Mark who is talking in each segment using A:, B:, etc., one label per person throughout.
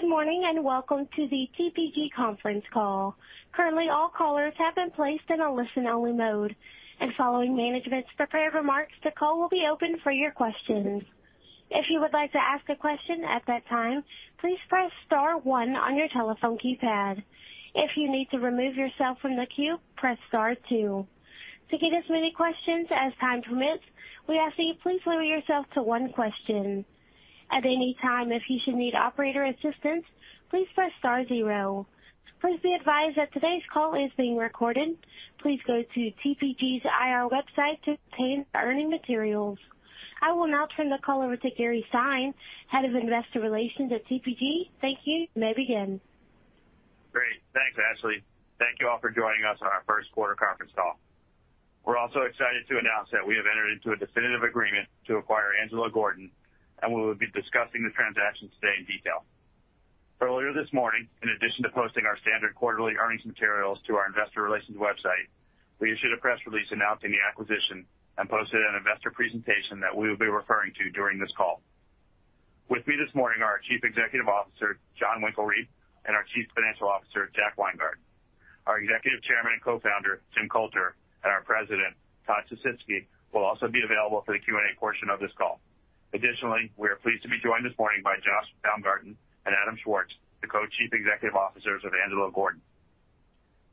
A: Good morning, and welcome to the TPG conference call. Currently, all callers have been placed in a listen-only mode. Following management's prepared remarks, the call will be open for your questions. If you would like to ask a question at that time, please press star one on your telephone keypad. If you need to remove yourself from the queue, press star two. To get as many questions as time permits, we ask that you please limit yourself to one question. At any time, if you should need operator assistance, please press star 0. Please be advised that today's call is being recorded. Please go to TPG's IR website to obtain the earnings materials. I will now turn the call over to Gary Stein, Head of Investor Relations at TPG. Thank you. You may begin.
B: Great. Thanks, Ashley. Thank you all for joining us on our first quarter conference call. We're also excited to announce that we have entered into a definitive agreement to acquire Angelo Gordon. We will be discussing the transaction today in detail. Earlier this morning, in addition to posting our standard quarterly earnings materials to our investor relations website, we issued a press release announcing the acquisition and posted an investor presentation that we will be referring to during this call. With me this morning are our Chief Executive Officer, Jon Winkelried, and our Chief Financial Officer, Jack Weingart. Our Executive Chairman and Co-founder, Jim Coulter, and our President, Todd Sisitsky, will also be available for the Q&A portion of this call. Additionally, we are pleased to be joined this morning by Josh Baumgarten and Adam Schwartz, the Co-Chief Executive Officers of Angelo Gordon.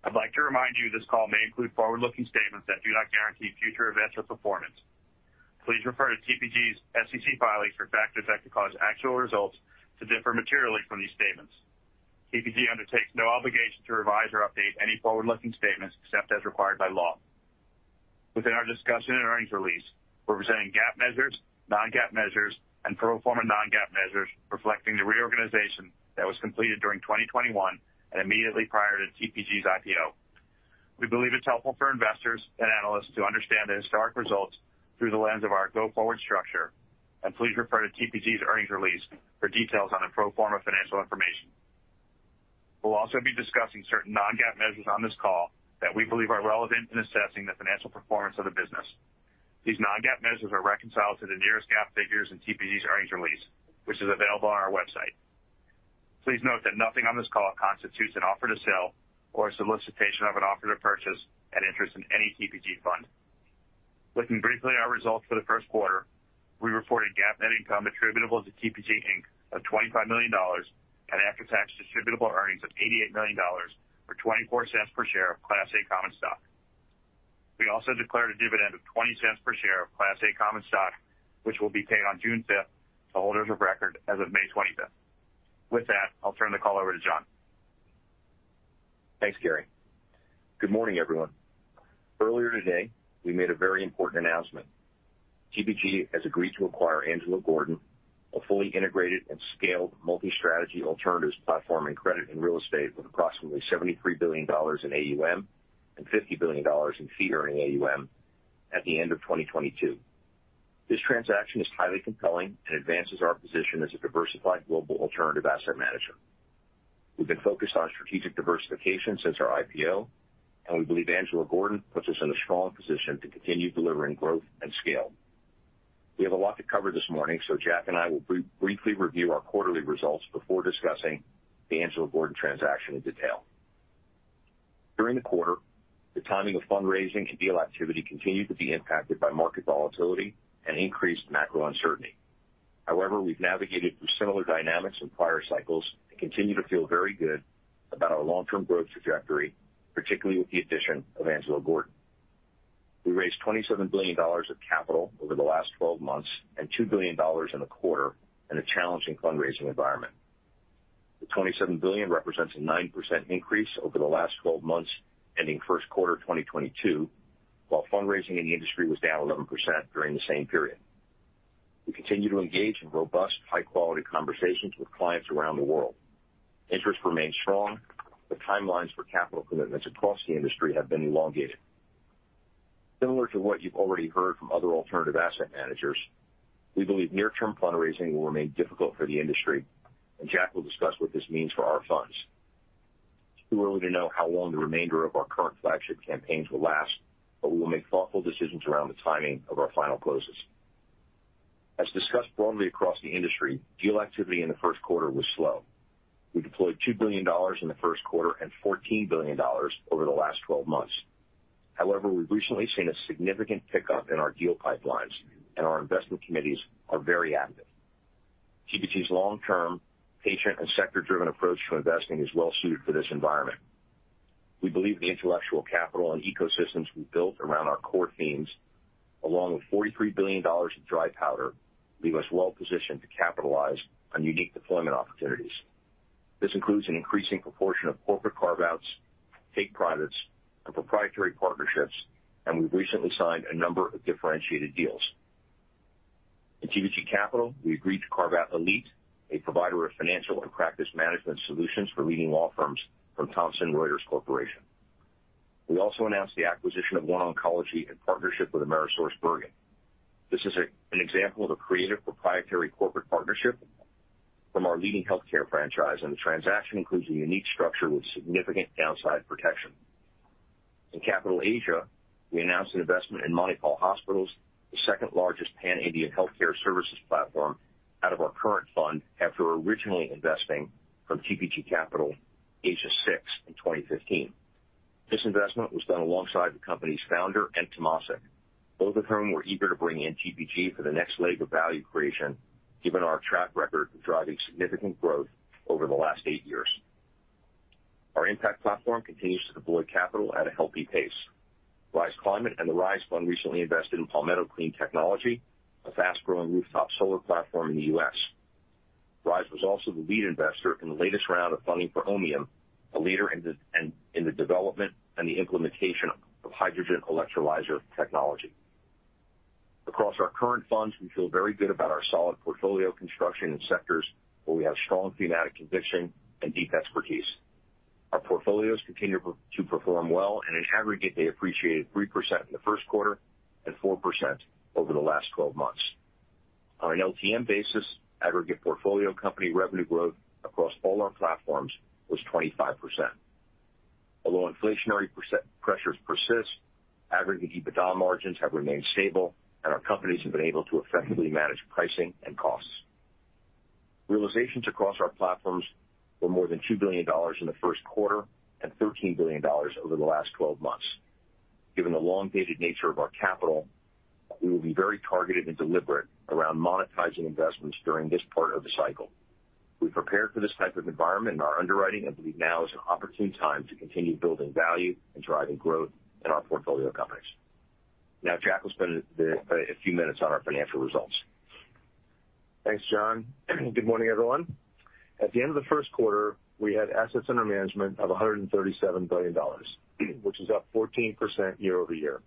B: I'd like to remind you this call may include forward-looking statements that do not guarantee future events or performance. Please refer to TPG's SEC filings for factors that could cause actual results to differ materially from these statements. TPG undertakes no obligation to revise or update any forward-looking statements except as required by law. Within our discussion and earnings release, we're presenting GAAP measures, non-GAAP measures, and pro forma non-GAAP measures reflecting the reorganization that was completed during 2021 and immediately prior to TPG's IPO. We believe it's helpful for investors and analysts to understand the historic results through the lens of our go-forward structure, and please refer to TPG's earnings release for details on the pro forma financial information. We'll also be discussing certain non-GAAP measures on this call that we believe are relevant in assessing the financial performance of the business. These non-GAAP measures are reconciled to the nearest GAAP figures in TPG's earnings release, which is available on our website. Please note that nothing on this call constitutes an offer to sell or a solicitation of an offer to purchase an interest in any TPG fund. Looking briefly at our results for the first quarter, we reported GAAP net income attributable to TPG Inc. of $25 million and after-tax distributable earnings of $88 million, or $0.24 per share of Class A common stock. We also declared a dividend of $0.20 per share of Class A common stock, which will be paid on June 5th to holders of record as of May 25th. With that, I'll turn the call over to Jon.
C: Thanks, Gary. Good morning, everyone. Earlier today, we made a very important announcement. TPG has agreed to acquire Angelo Gordon, a fully integrated and scaled multi-strategy alternatives platform in credit and real estate, with approximately $73 billion in AUM and $50 billion in Fee-Earning AUM at the end of 2022. This transaction is highly compelling and advances our position as a diversified global alternative asset manager. We've been focused on strategic diversification since our IPO. We believe Angelo Gordon puts us in a strong position to continue delivering growth and scale. We have a lot to cover this morning. Jack and I will briefly review our quarterly results before discussing the Angelo Gordon transaction in detail. During the quarter, the timing of fundraising and deal activity continued to be impacted by market volatility and increased macro uncertainty. However, we've navigated through similar dynamics in prior cycles and continue to feel very good about our long-term growth trajectory, particularly with the addition of Angelo Gordon. We raised $27 billion of capital over the last 12 months and $2 billion in the quarter in a challenging fundraising environment. The $27 billion represents a 9% increase over the last 12 months, ending first quarter 2022, while fundraising in the industry was down 11% during the same period. We continue to engage in robust, high-quality conversations with clients around the world. Interest remains strong, but timelines for capital commitments across the industry have been elongated. Similar to what you've already heard from other alternative asset managers, we believe near-term fundraising will remain difficult for the industry, and Jack will discuss what this means for our funds. It's too early to know how long the remainder of our current flagship campaigns will last. We will make thoughtful decisions around the timing of our final closes. As discussed broadly across the industry, deal activity in the first quarter was slow. We deployed $2 billion in the first quarter and $14 billion over the last 12 months. However, we've recently seen a significant pickup in our deal pipelines. Our investment committees are very active. TPG's long-term, patient, and sector-driven approach to investing is well suited for this environment. We believe the intellectual capital and ecosystems we've built around our core themes, along with $43 billion of dry powder, leave us well positioned to capitalize on unique deployment opportunities. This includes an increasing proportion of corporate carve-outs, take privates, and proprietary partnerships. We've recently signed a number of differentiated deals. In TPG Capital, we agreed to carve out Elite, a provider of financial and practice management solutions for leading law firms from Thomson Reuters Corporation. We also announced the acquisition of OneOncology in partnership with AmerisourceBergen. This is an example of a creative proprietary corporate partnership from our leading healthcare franchise. The transaction includes a unique structure with significant downside protection. In Capital Asia, we announced an investment in Manipal Hospitals, the second-largest pan-Indian healthcare services platform out of our current fund after originally investing from TPG Capital Asia VI in 2015. This investment was done alongside the company's founder and Temasek, both of whom were eager to bring in TPG for the next leg of value creation, given our track record of driving significant growth over the last eight years. Our impact platform continues to deploy capital at a healthy pace. Rise Climate and The Rise Fund recently invested in Palmetto Clean Technology, a fast-growing rooftop solar platform in the U.S. Rise was also the lead investor in the latest round of funding for Ohmium, a leader in the development and the implementation of hydrogen electrolyzer technology. Across our current funds, we feel very good about our solid portfolio construction in sectors where we have strong thematic conviction and deep expertise. Our portfolios continue to perform well, and in aggregate, they appreciated 3% in the first quarter and 4% over the last 12 months. On an LTM basis, aggregate portfolio company revenue growth across all our platforms was 25%. Although inflationary pressures persist, aggregate EBITDA margins have remained stable, and our companies have been able to effectively manage pricing and costs. Realizations across our platforms were more than $2 billion in the first quarter and $13 billion over the last 12 months. Given the long-dated nature of our capital, we will be very targeted and deliberate around monetizing investments during this part of the cycle. We've prepared for this type of environment in our underwriting and believe now is an opportune time to continue building value and driving growth in our portfolio companies. Jack will spend a few minutes on our financial results.
D: Thanks, Jon. Good morning, everyone. At the end of the first quarter, we had assets under management of $137 billion, which is up 14% year-over-year.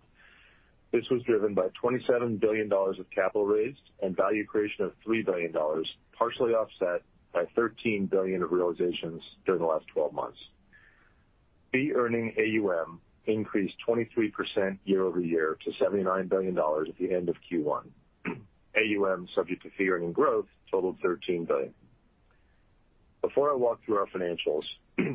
D: This was driven by $27 billion of capital raised and value creation of $3 billion, partially offset by $13 billion of realizations during the last 12 months. Fee-Earning AUM increased 23% year-over-year to $79 billion at the end of Q1. AUM subject to fee-earning growth totaled $13 billion. Before I walk through our financials,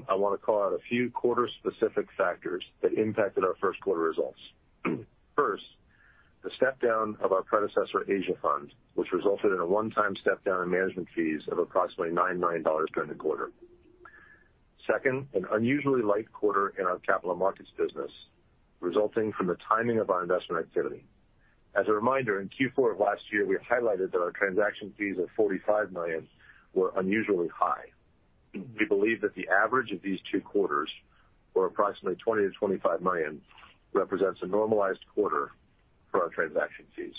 D: I wanna call out a few quarter-specific factors that impacted our first quarter results. First, the step-down of our predecessor Asia Fund, which resulted in a one-time step-down in management fees of approximately $9 million during the quarter. Second, an unusually light quarter in our capital markets business resulting from the timing of our investment activity. As a reminder, in Q4 of last year, we highlighted that our transaction fees of $45 million were unusually high. We believe that the average of these two quarters, or approximately $20 million-$25 million, represents a normalized quarter for our transaction fees.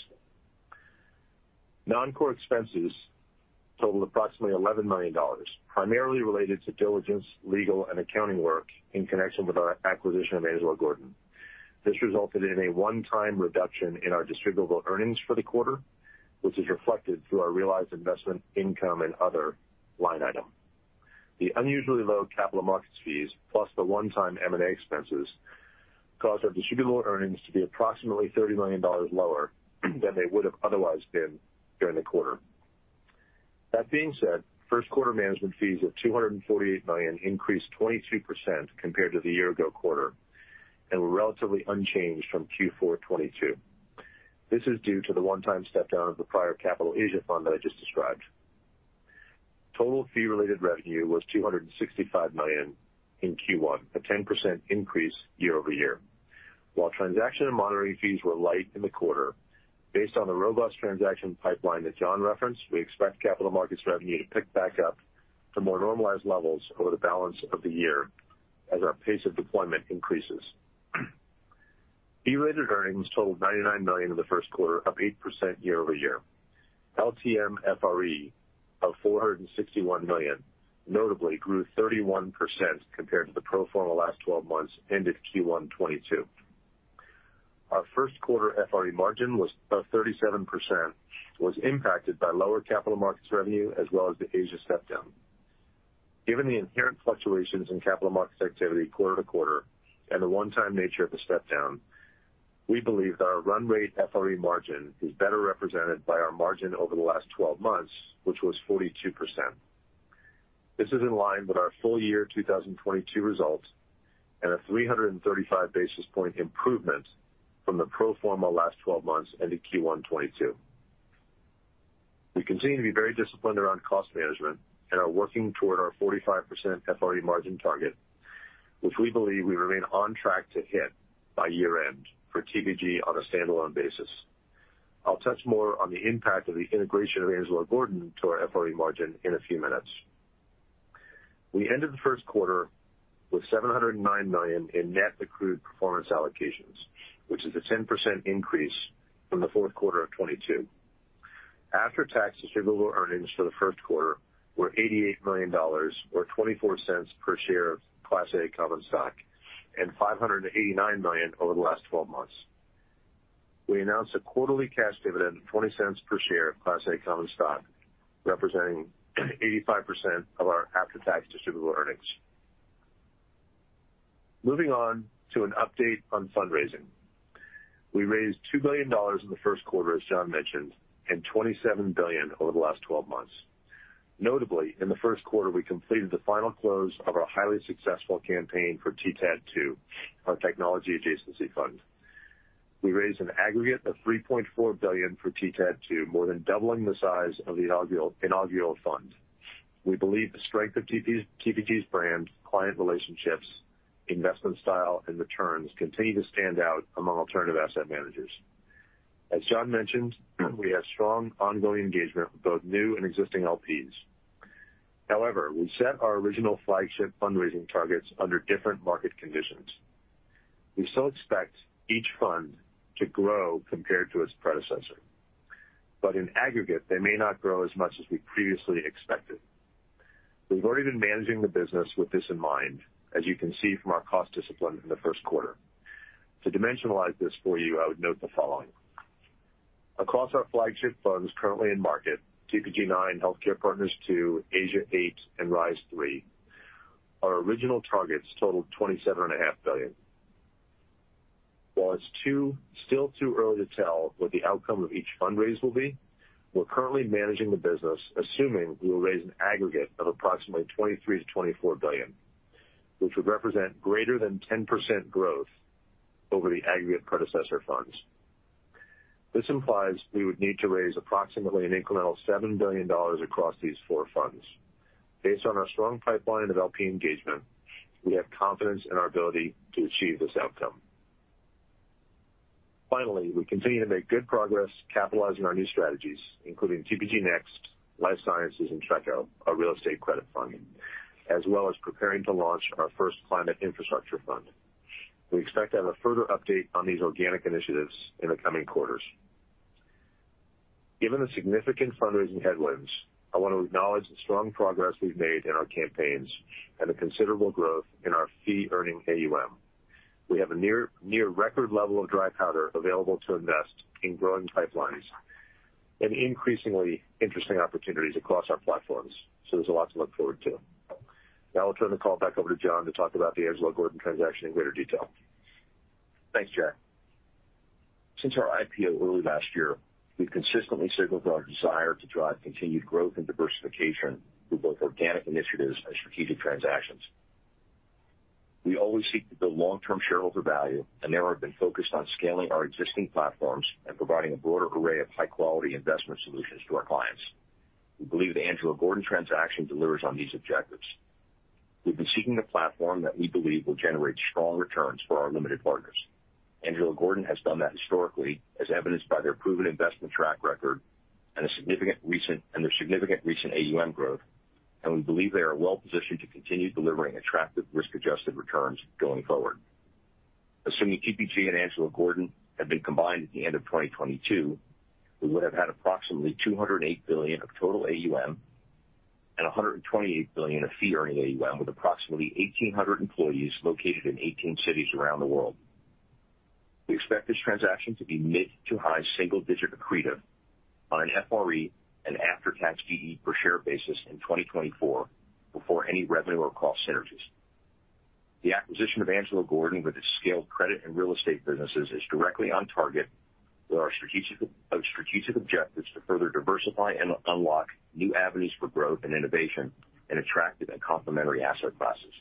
D: Non-core expenses totaled approximately $11 million, primarily related to diligence, legal, and accounting work in connection with our acquisition of Angelo Gordon. This resulted in a one-time reduction in our distributable earnings for the quarter, which is reflected through our realized investment income and other line item. The unusually low capital markets fees, plus the one-time M&A expenses, caused our distributable earnings to be approximately $30 million lower than they would've otherwise been during the quarter. That being said, first quarter management fees of $248 million increased 23% compared to the year ago quarter and were relatively unchanged from Q4 2022. This is due to the one-time step-down of the prior Capital Asia Fund that I just described. Total fee-related revenue was $265 million in Q1, a 10% increase year over year. While transaction and monitoring fees were light in the quarter, based on the robust transaction pipeline that Jon referenced, we expect capital markets revenue to pick back up to more normalized levels over the balance of the year as our pace of deployment increases. Fee-related earnings totaled $99 million in the first quarter, up 8% year over year. LTM FRE of $461 million notably grew 31% compared to the pro forma last twelve months ended Q1 2022. Our first quarter FRE margin was about 37%, was impacted by lower capital markets revenue as well as the Asia step-down. Given the inherent fluctuations in capital markets activity quarter-to-quarter and the one-time nature of the step-down, we believe that our run rate FRE margin is better represented by our margin over the last 12 months, which was 42%. This is in line with our full year 2022 results and a 335 basis point improvement from the pro forma last 12 months ended Q1 2022. We continue to be very disciplined around cost management and are working toward our 45% FRE margin target, which we believe we remain on track to hit by year-end for TPG on a standalone basis. I'll touch more on the impact of the integration of Angelo Gordon to our FRE margin in a few minutes. We ended the first quarter with $709 million in net accrued performance allocations, which is a 10% increase from the fourth quarter of 2022. After-tax distributable earnings for the first quarter were $88 million or $0.24 per share of Class A common stock and $589 million over the last 12 months. We announced a quarterly cash dividend of $0.20 per share of Class A common stock, representing 85% of our after-tax distributable earnings. Moving on to an update on fundraising. We raised $2 billion in the first quarter, as Jon mentioned, and $27 billion over the last 12 months. Notably, in the first quarter, we completed the final close of our highly successful campaign for TTAD II, our technology adjacency fund. We raised an aggregate of $3.4 billion for TTAD II, more than doubling the size of the inaugural fund. We believe the strength of TPG's brand, client relationships, investment style, and returns continue to stand out among alternative asset managers. As Jon mentioned, we have strong ongoing engagement with both new and existing LPs. We set our original flagship fundraising targets under different market conditions. We still expect each fund to grow compared to its predecessor, but in aggregate, they may not grow as much as we previously expected. We've already been managing the business with this in mind, as you can see from our cost discipline in the first quarter. To dimensionalize this for you, I would note the following. Across our flagship funds currently in market, TPG IX, Healthcare Partners II, Asia VIII, and Rise III our original targets totaled $27.5 billion. While it's still too early to tell what the outcome of each fundraise will be, we're currently managing the business, assuming we will raise an aggregate of approximately $23 billion-$24 billion, which would represent greater than 10% growth over the aggregate predecessor funds. This implies we would need to raise approximately an incremental $7 billion across these four funds. Based on our strong pipeline of LP engagement, we have confidence in our ability to achieve this outcome. Finally, we continue to make good progress capitalizing our new strategies, including TPG NEXT, Life Sciences, and TRECO, our real estate credit fund, as well as preparing to launch our first climate infrastructure fund. We expect to have a further update on these organic initiatives in the coming quarters. Given the significant fundraising headwinds, I want to acknowledge the strong progress we've made in our campaigns and the considerable growth in our Fee-Earning AUM. We have a near record level of dry powder available to invest in growing pipelines and increasingly interesting opportunities across our platforms. There's a lot to look forward to. Now I'll turn the call back over to Jon to talk about the Angelo Gordon transaction in greater detail.
C: Thanks, Jack. Since our IPO early last year, we've consistently signaled our desire to drive continued growth and diversification through both organic initiatives and strategic transactions. We always seek to build long-term shareholder value, there have been focused on scaling our existing platforms and providing a broader array of high-quality investment solutions to our clients. We believe the Angelo Gordon transaction delivers on these objectives. We've been seeking a platform that we believe will generate strong returns for our limited partners. Angelo Gordon has done that historically, as evidenced by their proven investment track record and their significant recent AUM growth, we believe they are well-positioned to continue delivering attractive risk-adjusted returns going forward. Assuming TPG and Angelo Gordon had been combined at the end of 2022, we would have had approximately $208 billion of total AUM and $128 billion of fee-earning AUM, with approximately 1,800 employees located in 18 cities around the world. We expect this transaction to be mid to high single-digit accretive on an FRE and after-tax GE per share basis in 2024 before any revenue or cost synergies. The acquisition of Angelo Gordon with its scaled credit and real estate businesses is directly on target with our strategic objectives to further diversify and unlock new avenues for growth and innovation in attractive and complementary asset classes.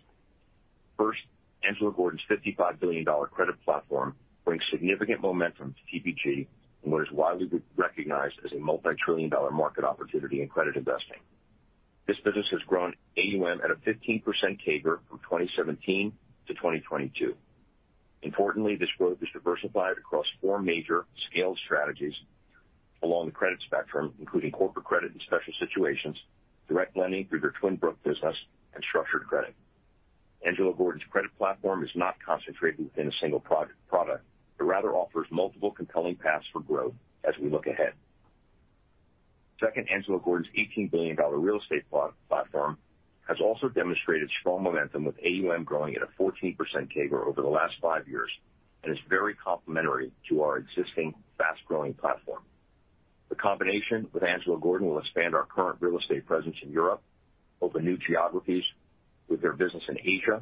C: First, Angelo Gordon's $55 billion credit platform brings significant momentum to TPG in what is widely recognized as a multi-trillion-dollar market opportunity in credit investing. This business has grown AUM at a 15% CAGR from 2017 to 2022. Importantly, this growth is diversified across four major scaled strategies along the credit spectrum, including corporate credit and special situations, direct lending through their Twin Brook business, and structured credit. Angelo Gordon's credit platform is not concentrated within a single product, but rather offers multiple compelling paths for growth as we look ahead. Second, Angelo Gordon's $18 billion real estate platform has also demonstrated strong momentum, with AUM growing at a 14% CAGR over the last five years and is very complementary to our existing fast-growing platform. The combination with Angelo Gordon will expand our current real estate presence in Europe, open new geographies with their business in Asia,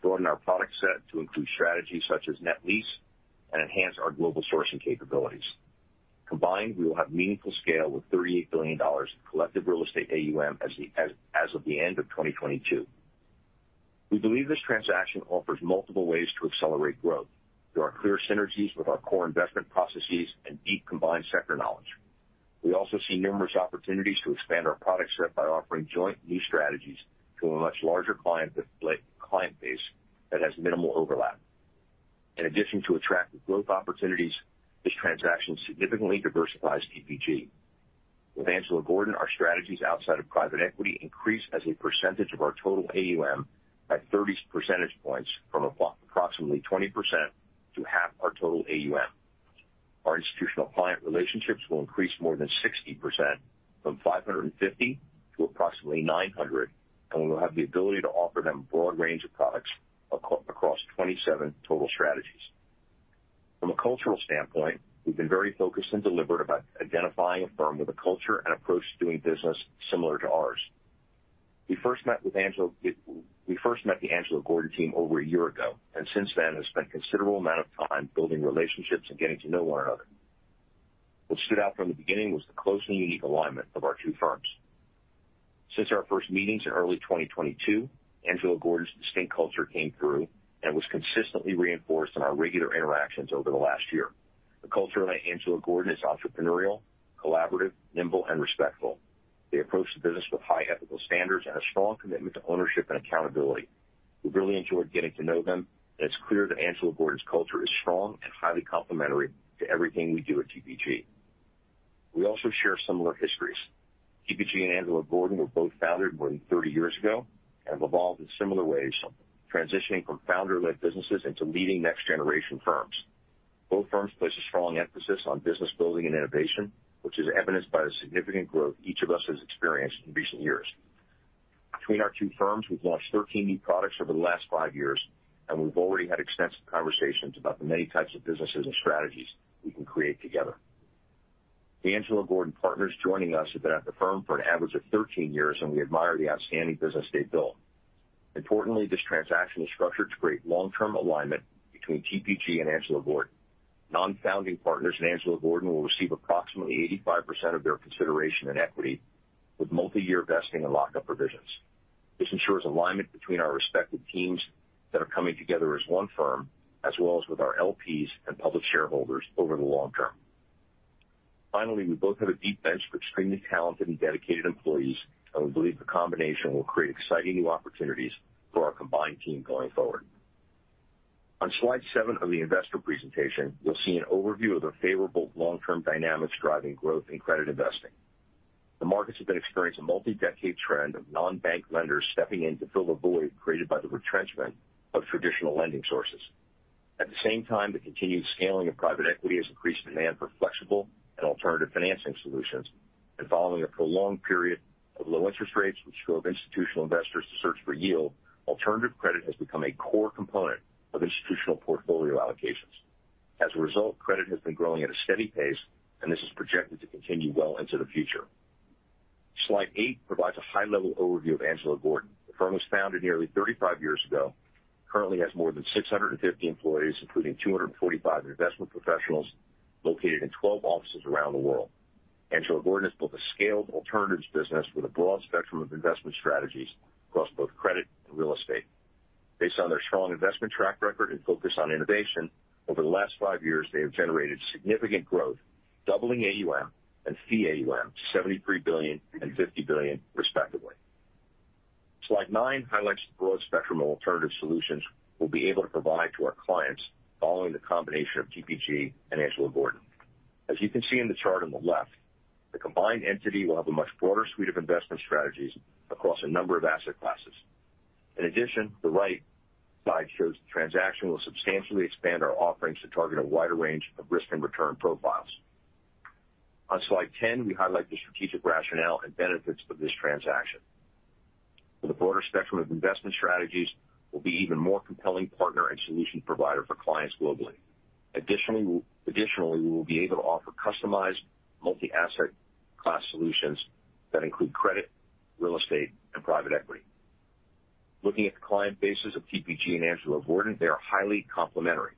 C: broaden our product set to include strategies such as net lease, and enhance our global sourcing capabilities. Combined, we will have meaningful scale with $38 billion in collective real estate AUM as of the end of 2022. We believe this transaction offers multiple ways to accelerate growth. There are clear synergies with our core investment processes and deep combined sector knowledge. We also see numerous opportunities to expand our product set by offering joint new strategies to a much larger client base that has minimal overlap. In addition to attractive growth opportunities, this transaction significantly diversifies TPG. With Angelo Gordon, our strategies outside of private equity increase as a percentage of our total AUM by 30 percentage points from approximately 20% to half our total AUM. Our institutional client relationships will increase more than 60% from 550 to approximately 900. We will have the ability to offer them a broad range of products across 27 total strategies. From a cultural standpoint, we've been very focused and deliberate about identifying a firm with a culture and approach to doing business similar to ours. We first met the Angelo Gordon team over a year ago. Since then have spent considerable amount of time building relationships and getting to know one another. What stood out from the beginning was the closely unique alignment of our two firms. Since our first meetings in early 2022, Angelo Gordon's distinct culture came through and was consistently reinforced in our regular interactions over the last year. The culture at Angelo Gordon is entrepreneurial, collaborative, nimble and respectful. They approach the business with high ethical standards and a strong commitment to ownership and accountability. We really enjoyed getting to know them, and it's clear that Angelo Gordon's culture is strong and highly complementary to everything we do at TPG. We also share similar histories. TPG and Angelo Gordon were both founded more than 30 years ago and have evolved in similar ways, transitioning from founder-led businesses into leading next generation firms. Both firms place a strong emphasis on business building and innovation, which is evidenced by the significant growth each of us has experienced in recent years. Between our two firms, we've launched 13 new products over the last five years, and we've already had extensive conversations about the many types of businesses and strategies we can create together. The Angelo Gordon partners joining us have been at the firm for an average of 13 years, and we admire the outstanding business they've built. Importantly, this transaction is structured to create long-term alignment between TPG and Angelo Gordon. Non-founding partners in Angelo Gordon will receive approximately 85% of their consideration and equity with multi-year vesting and lock-up provisions. This ensures alignment between our respective teams that are coming together as one firm, as well as with our LPs and public shareholders over the long term. Finally, we both have a deep bench of extremely talented and dedicated employees, and we believe the combination will create exciting new opportunities for our combined team going forward. On slide seven of the investor presentation, you'll see an overview of the favorable long-term dynamics driving growth in credit investing. The markets have been experiencing a multi-decade trend of non-bank lenders stepping in to fill the void created by the retrenchment of traditional lending sources. At the same time, the continued scaling of private equity has increased demand for flexible and alternative financing solutions. Following a prolonged period of low interest rates, which drove institutional investors to search for yield, alternative credit has become a core component of institutional portfolio allocations. As a result, credit has been growing at a steady pace, and this is projected to continue well into the future. Slide eight provides a high-level overview of Angelo Gordon. The firm was founded nearly 35 years ago, currently has more than 650 employees, including 245 investment professionals located in 12 offices around the world. Angelo Gordon has built a scaled alternatives business with a broad spectrum of investment strategies across both credit and real estate. Based on their strong investment track record and focus on innovation, over the last five years they have generated significant growth, doubling AUM and fee AUM, $73 billion and $50 billion respectively. Slide nine highlights the broad spectrum of alternative solutions we'll be able to provide to our clients following the combination of TPG and Angelo Gordon. As you can see in the chart on the left, the combined entity will have a much broader suite of investment strategies across a number of asset classes. In addition, the right side shows the transaction will substantially expand our offerings to target a wider range of risk and return profiles. On Slide 10, we highlight the strategic rationale and benefits of this transaction. With a broader spectrum of investment strategies, we'll be even more compelling partner and solution provider for clients globally. Additionally, we will be able to offer customized multi-asset class solutions that include credit, real estate and private equity. Looking at the client bases of TPG and Angelo Gordon, they are highly complementary.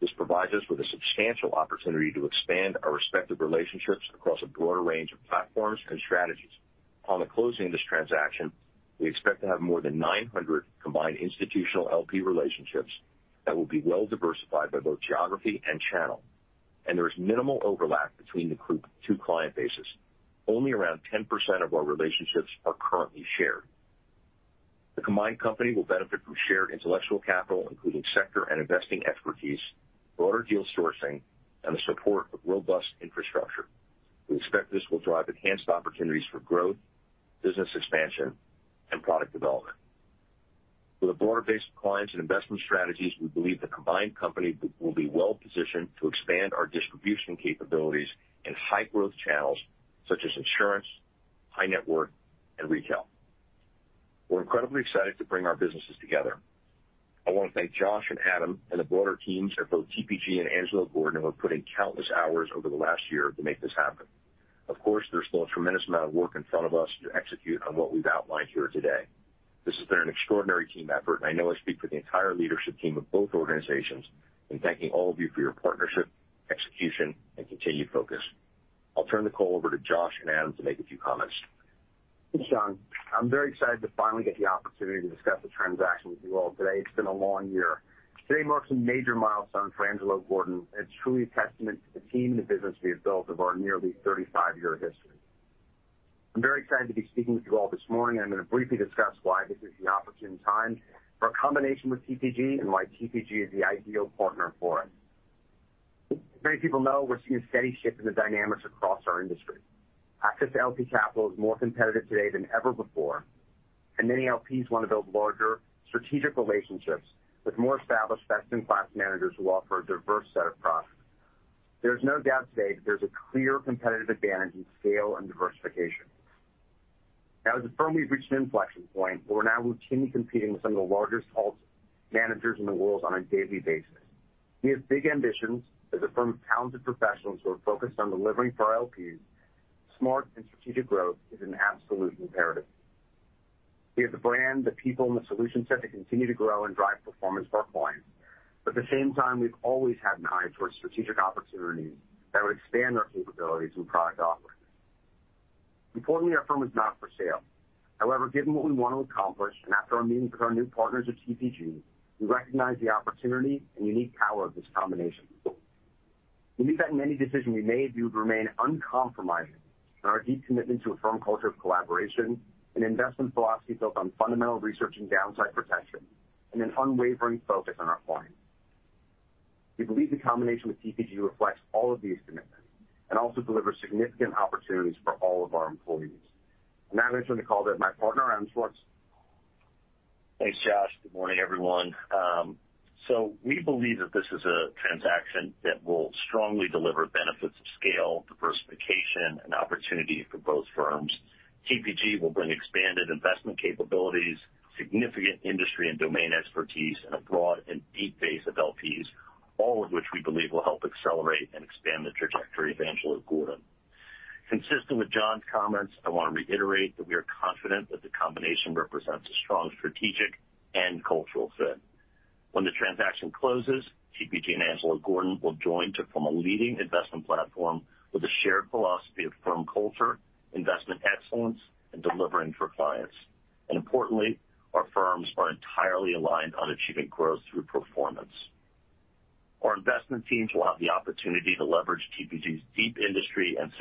C: This provides us with a substantial opportunity to expand our respective relationships across a broader range of platforms and strategies. Upon the closing of this transaction, we expect to have more than 900 combined institutional LP relationships that will be well diversified by both geography and channel. There is minimal overlap between the group two client bases. Only around 10% of our relationships are currently shared. The combined company will benefit from shared intellectual capital, including sector and investing expertise, broader deal sourcing, and the support of robust infrastructure. We expect this will drive enhanced opportunities for growth, business expansion, and product development. With a broader base of clients and investment strategies, we believe the combined company will be well positioned to expand our distribution capabilities in high growth channels such as insurance, high net worth, and retail. We're incredibly excited to bring our businesses together. I want to thank Josh and Adam and the broader teams at both TPG and Angelo Gordon who have put in countless hours over the last year to make this happen. There's still a tremendous amount of work in front of us to execute on what we've outlined here today. This has been an extraordinary team effort, and I know I speak for the entire leadership team of both organizations in thanking all of you for your partnership, execution, and continued focus. I'll turn the call over to Josh and Adam to make a few comments.
E: Thanks, Jon. I'm very excited to finally get the opportunity to discuss the transaction with you all today. It's been a long year. Today marks a major milestone for Angelo Gordon, and it's truly a testament to the team and the business we have built over our nearly 35-year history. I'm very excited to be speaking with you all this morning, and I'm going to briefly discuss why this is the opportune time for a combination with TPG and why TPG is the ideal partner for us. Many people know we're seeing a steady shift in the dynamics across our industry. Access to LP capital is more competitive today than ever before, and many LPs want to build larger strategic relationships with more established best-in-class managers who offer a diverse set of products. There's no doubt today that there's a clear competitive advantage in scale and diversification. As a firm, we've reached an inflection point where we're now routinely competing with some of the largest alt managers in the world on a daily basis. We have big ambitions as a firm of talented professionals who are focused on delivering for our LPs. Smart and strategic growth is an absolute imperative. We have the brand, the people, and the solution set to continue to grow and drive performance for our clients. At the same time, we've always had an eye towards strategic opportunities that would expand our capabilities and product offerings. Before me, our firm was not for sale. Given what we want to accomplish, and after our meeting with our new partners at TPG, we recognize the opportunity and unique power of this combination. We believe that in any decision we made, we would remain uncompromising in our deep commitment to a firm culture of collaboration, an investment philosophy built on fundamental research and downside protection, and an unwavering focus on our clients. We believe the combination with TPG reflects all of these commitments and also delivers significant opportunities for all of our employees. Now I'm just going to call to my partner, Adam Schwartz.
F: Thanks, Josh. Good morning, everyone. We believe that this is a transaction that will strongly deliver benefits of scale, diversification, and opportunity for both firms. TPG will bring expanded investment capabilities, significant industry and domain expertise, and a broad and deep base of LPs, all of which we believe will help accelerate and expand the trajectory of Angelo Gordon. Consistent with Jon's comments, I want to reiterate that we are confident that the combination represents a strong strategic and cultural fit. When the transaction closes, TPG and Angelo Gordon will join to form a leading investment platform with a shared philosophy of firm culture, investment excellence, and delivering for clients. Importantly, our firms are entirely aligned on achieving growth through performance. Our investment teams will have the opportunity to leverage TPG's deep industry and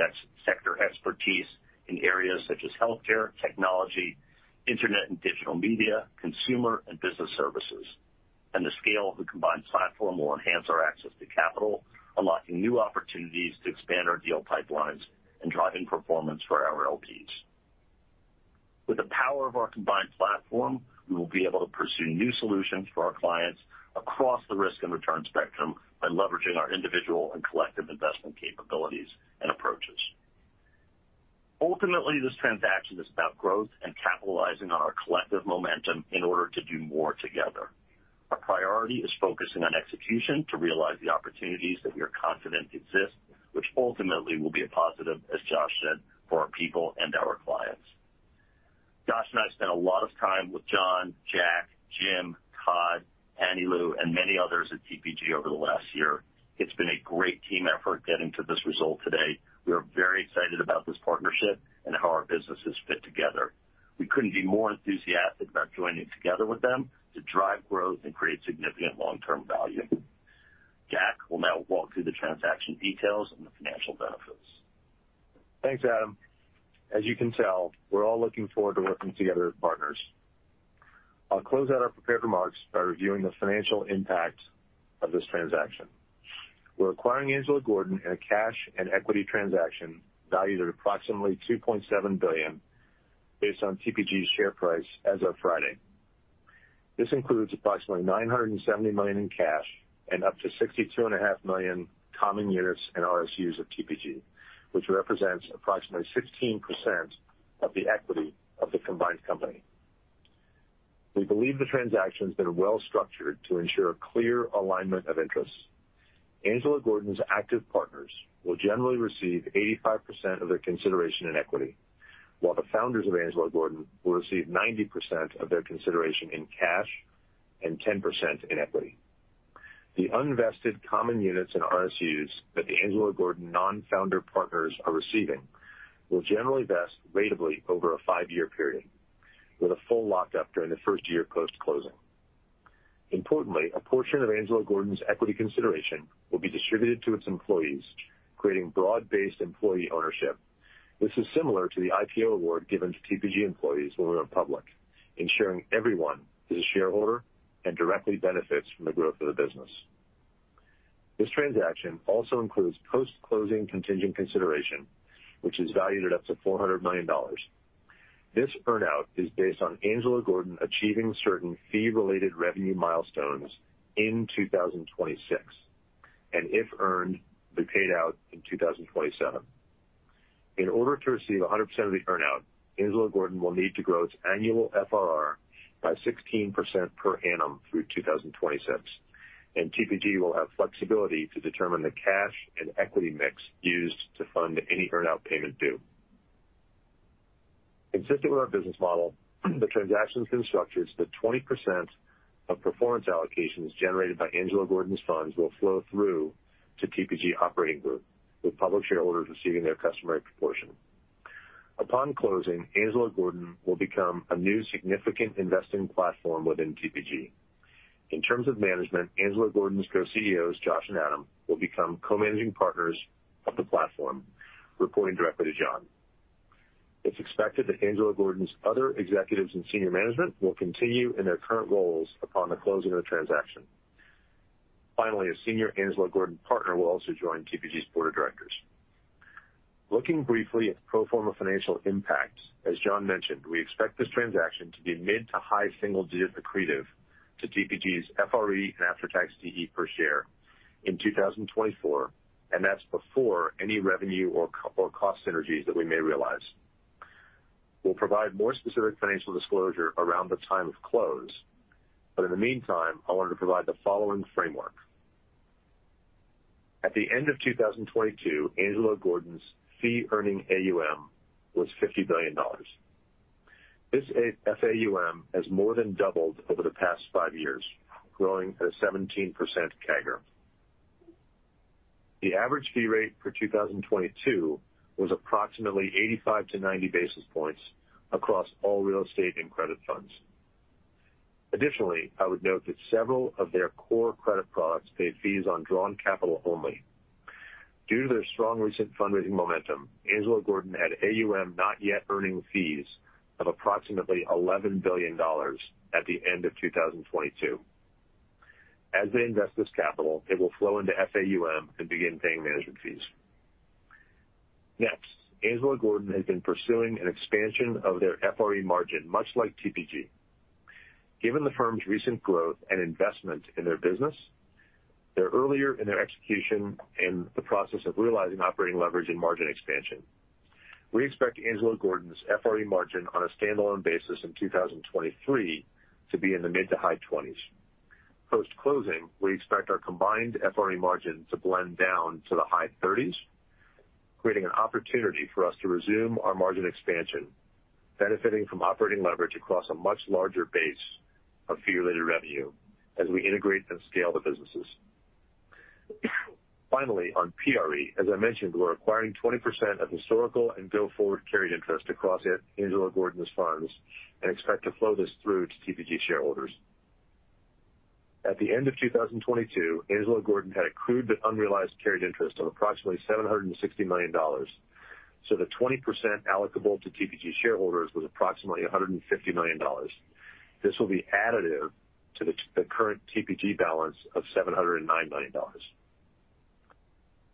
F: sector expertise in areas such as healthcare, technology, internet, and digital media, consumer and business services. The scale of the combined platform will enhance our access to capital, unlocking new opportunities to expand our deal pipelines and driving performance for our LPs. With the power of our combined platform, we will be able to pursue new solutions for our clients across the risk and return spectrum by leveraging our individual and collective investment capabilities and approaches. Ultimately, this transaction is about growth and capitalizing on our collective momentum in order to do more together. Our priority is focusing on execution to realize the opportunities that we are confident exist, which ultimately will be a positive, as Josh said, for our people and our clients. Josh and I have spent a lot of time with Jon, Jack, Jim, Todd, Anilu, and many others at TPG over the last year. It's been a great team effort getting to this result today. We are very excited about this partnership and how our businesses fit together. We couldn't be more enthusiastic about joining together with them to drive growth and create significant long-term value. Jack will now walk through the transaction details and the financial benefits.
D: Thanks, Adam. As you can tell, we're all looking forward to working together as partners. I'll close out our prepared remarks by reviewing the financial impact of this transaction. We're acquiring Angelo Gordon in a cash and equity transaction valued at approximately $2.7 billion based on TPG's share price as of Friday. This includes approximately $970 million in cash and up to $62.5 million common units and RSUs of TPG, which represent approximately 16% of the equity of the combined company. We believe the transaction has been well structured to ensure clear alignment of interests. Angelo Gordon's active partners will generally receive 85% of their consideration in equity, while the founders of Angelo Gordon will receive 90% of their consideration in cash and 10% in equity. The unvested common units and RSUs that the Angelo Gordon non-founder partners are receiving will generally vest ratably over a five-year period, with a full lockup during the first year post-closing. Importantly, a portion of Angelo Gordon's equity consideration will be distributed to its employees, creating broad-based employee ownership. This is similar to the IPO award given to TPG employees when we went public, ensuring everyone is a shareholder and directly benefits from the growth of the business. This transaction also includes post-closing contingent consideration, which is valued at up to $400 million. This earn-out is based on Angelo Gordon achieving certain fee-related revenue milestones in 2026, and if earned, will be paid out in 2027. In order to receive 100% of the earn-out, Angelo Gordon will need to grow its annual FRR by 16% per annum through 2026. TPG will have flexibility to determine the cash and equity mix used to fund any earn-out payment due. Consistent with our business model, the transaction's been structured so that 20% of performance allocations generated by Angelo Gordon's funds will flow through to TPG Operating Group, with public shareholders receiving their customary proportion. Upon closing, Angelo Gordon will become a new significant investing platform within TPG. In terms of management, Angelo Gordon's co-CEOs, Josh and Adam, will become co-managing partners of the platform, reporting directly to Jon. It's expected that Angelo Gordon's other executives and senior management will continue in their current roles upon the closing of the transaction. Finally, a senior Angelo Gordon partner will also join TPG's board of directors. Looking briefly at the pro forma financial impact, as Jon mentioned, we expect this transaction to be mid to high single digit accretive to TPG's FRE and after-tax DE per share in 2024, and that's before any revenue or cost synergies that we may realize. We'll provide more specific financial disclosure around the time of close. In the meantime, I wanted to provide the following framework. At the end of 2022, Angelo Gordon's Fee-Earning AUM was $50 billion. This FAUM has more than doubled over the past five years, growing at a 17% CAGR. The average fee rate for 2022 was approximately 85-90 basis points across all real estate and credit funds. Additionally, I would note that several of their core credit products paid fees on drawn capital only. Due to their strong recent fundraising momentum, Angelo Gordon had AUM not yet earning fees of approximately $11 billion at the end of 2022. As they invest this capital, it will flow into FAUM and begin paying management fees. Angelo Gordon has been pursuing an expansion of their FRE margin, much like TPG. Given the firm's recent growth and investment in their business, they're earlier in their execution in the process of realizing operating leverage and margin expansion. We expect Angelo Gordon's FRE margin on a standalone basis in 2023 to be in the mid to high 20's. Post-closing, we expect our combined FRE margin to blend down to the high 30's, creating an opportunity for us to resume our margin expansion, benefiting from operating leverage across a much larger base of fee-related revenue as we integrate and scale the businesses. Finally, on PRE, as I mentioned, we're acquiring 20% of historical and go-forward carried interest across Angelo Gordon's funds and expect to flow this through to TPG shareholders. At the end of 2022, Angelo Gordon had accrued but unrealized carried interest of approximately $760 million. The 20% allocable to TPG shareholders was approximately $150 million. This will be additive to the current TPG balance of $709 million.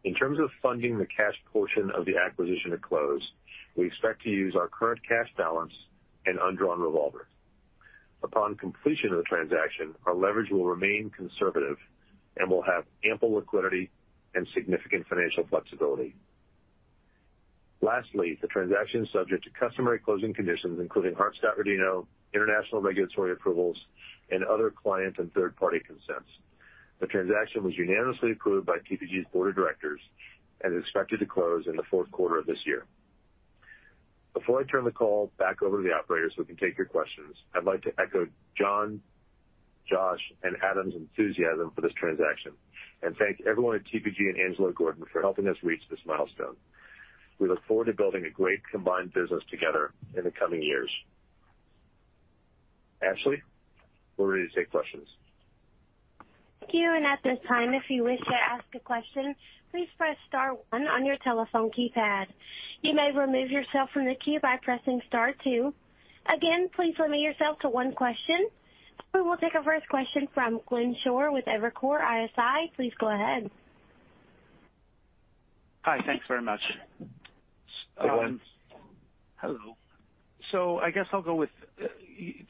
D: In terms of funding the cash portion of the acquisition at close, we expect to use our current cash balance and undrawn revolver. Upon completion of the transaction, our leverage will remain conservative, and we'll have ample liquidity and significant financial flexibility. Lastly, the transaction is subject to customary closing conditions, including Hart-Scott-Rodino, international regulatory approvals, and other client and third-party consents. The transaction was unanimously approved by TPG's board of directors and is expected to close in the fourth quarter of this year. Before I turn the call back over to the operator so we can take your questions, I'd like to echo Jon, Josh, and Adam's enthusiasm for this transaction and thank everyone at TPG and Angelo Gordon for helping us reach this milestone. We look forward to building a great combined business together in the coming years. Ashley, we're ready to take questions.
A: Thank you. At this time, if you wish to ask a question, please press star one on your telephone keypad. You may remove yourself from the queue by pressing star two. Again, please limit yourself to one question. We will take our first question from Glenn Schorr with Evercore ISI. Please go ahead.
G: Hi. Thanks very much.
D: Hi, Glenn.
G: Hello. I guess I'll go with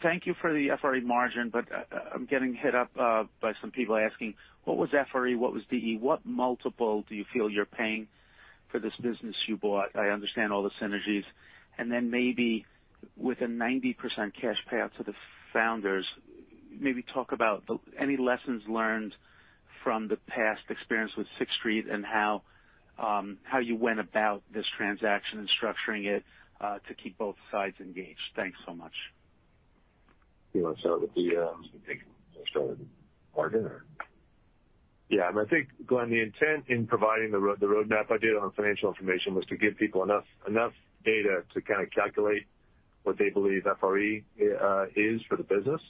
G: thank you for the FRE margin, but I'm getting hit up by some people asking, what was FRE? What was DE? What multiple do you feel you're paying for this business you bought? I understand all the synergies. Maybe with a 90% cash payout to the founders, maybe talk about any lessons learned from the past experience with Sixth Street and how you went about this transaction and structuring it to keep both sides engaged. Thanks so much.
D: You wanna start with the, I think I'll start with margin or?
C: Yeah. I think, Glenn, the intent in providing the roadmap I did on financial information was to give people enough data to kinda calculate what they believe FRE is for the business.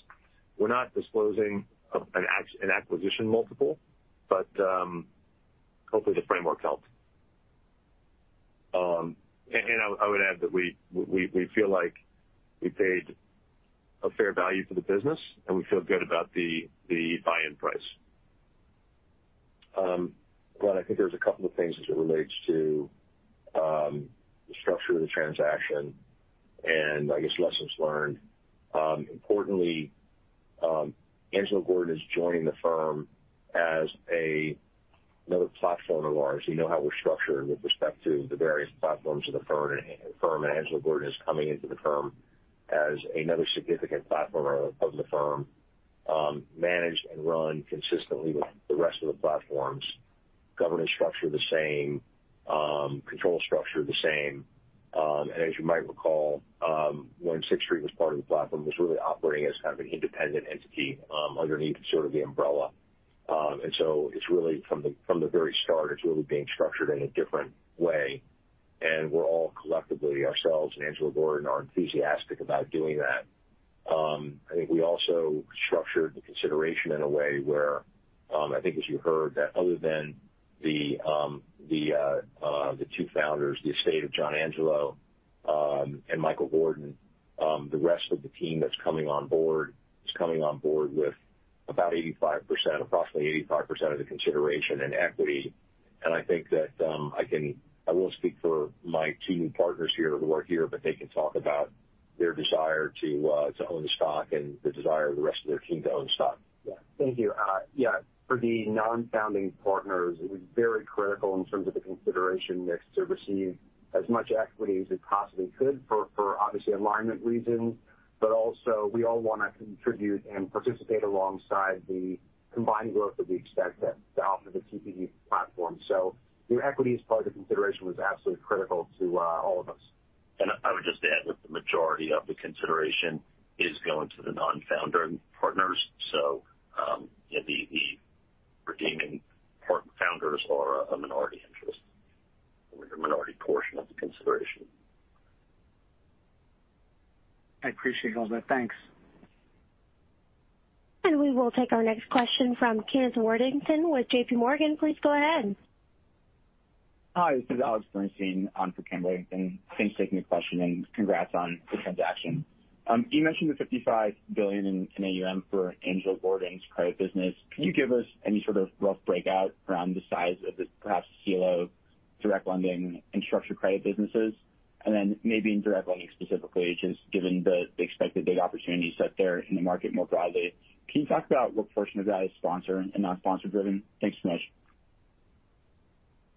C: We're not disclosing an acquisition multiple, but hopefully, the framework helps.
D: And I would add that we feel like we paid a fair value for the business, and we feel good about the buy-in price.
C: Glenn, I think there's a couple of things as it relates to the structure of the transaction and I guess lessons learned. Importantly, Angelo Gordon is joining the firm as another platform of ours. You know how we're structured with respect to the various platforms of the firm, and Angelo Gordon is coming into the firm as another significant platform of the firm, managed and run consistently with the rest of the platforms. Governance structure the same, control structure the same. As you might recall, when Sixth Street was part of the platform, it was really operating as kind of an independent entity underneath sort of the umbrella. It's really from the, from the very start, it's really being structured in a different way, and we're all collectively, ourselves and Angelo Gordon, are enthusiastic about doing that. I think we also structured the consideration in a way where, I think as you heard, that other than the two founders, the estate of Jon Angelo, and Michael Gordon, the rest of the team that's coming on board is coming on board with about 85%, approximately 85% of the consideration and equity. I think that, I won't speak for my two partners here who are here, but they can talk about Their desire to own the stock and the desire of the rest of their team to own stock.
E: Yeah. Thank you. Yeah, for the non-founding partners, it was very critical in terms of the consideration next to receive as much equity as it possibly could for obviously alignment reasons. Also we all wanna contribute and participate alongside the combined growth that we expect at the AlphaVPE platform. The equities part of the consideration was absolutely critical to all of us.
D: I would just add that the majority of the consideration is going to the non-founder partners. Yeah, the redeeming part founders are a minority interest or the minority portion of the consideration.
G: I appreciate all that. Thanks.
A: We will take our next question from Kenneth Worthington with JPMorgan. Please go ahead.
H: Hi, this is Alex Bernstein on for Ken Worthington. Thanks for taking the question, congrats on the transaction. You mentioned the $55 billion in AUM for Angelo Gordon's private business. Could you give us any sort of rough breakout around the size of the perhaps CLO, direct lending, and structured credit businesses? Maybe in direct lending specifically, just given the expected big opportunity set there in the market more broadly, can you talk about what portion of that is sponsor and not sponsor driven? Thanks so much.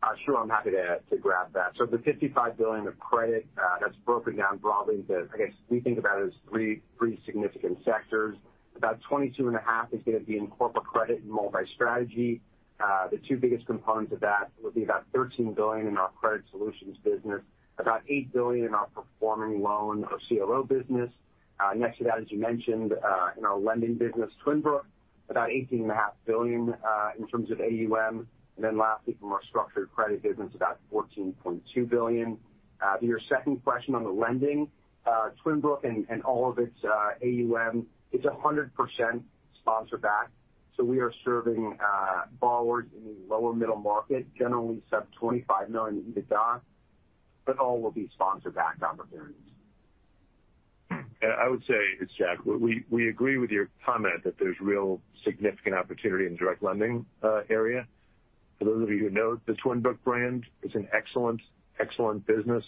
E: I'm happy to grab that. The $55 billion of credit that's broken down broadly into, I guess we think about it as three significant sectors. About $22.5 billion is going to be in corporate credit and multi-strategy. The two biggest components of that will be about $13 billion in our credit solutions business, about $8 billion in our performing loan or CLO business. Next to that, as you mentioned, in our lending business, Twin Brook, about $18.5 billion in terms of AUM. Lastly, from our structured credit business, about $14.2 billion. To your second question on the lending, Twin Brook and all of its AUM is 100% sponsor backed. We are serving borrowers in the lower middle market, generally sub $25 million EBITDA, but all will be sponsor backed opportunities.
D: I would say, it's Jack, we agree with your comment that there's real significant opportunity in direct lending area. For those of you who know, the Twin Brook brand is an excellent business,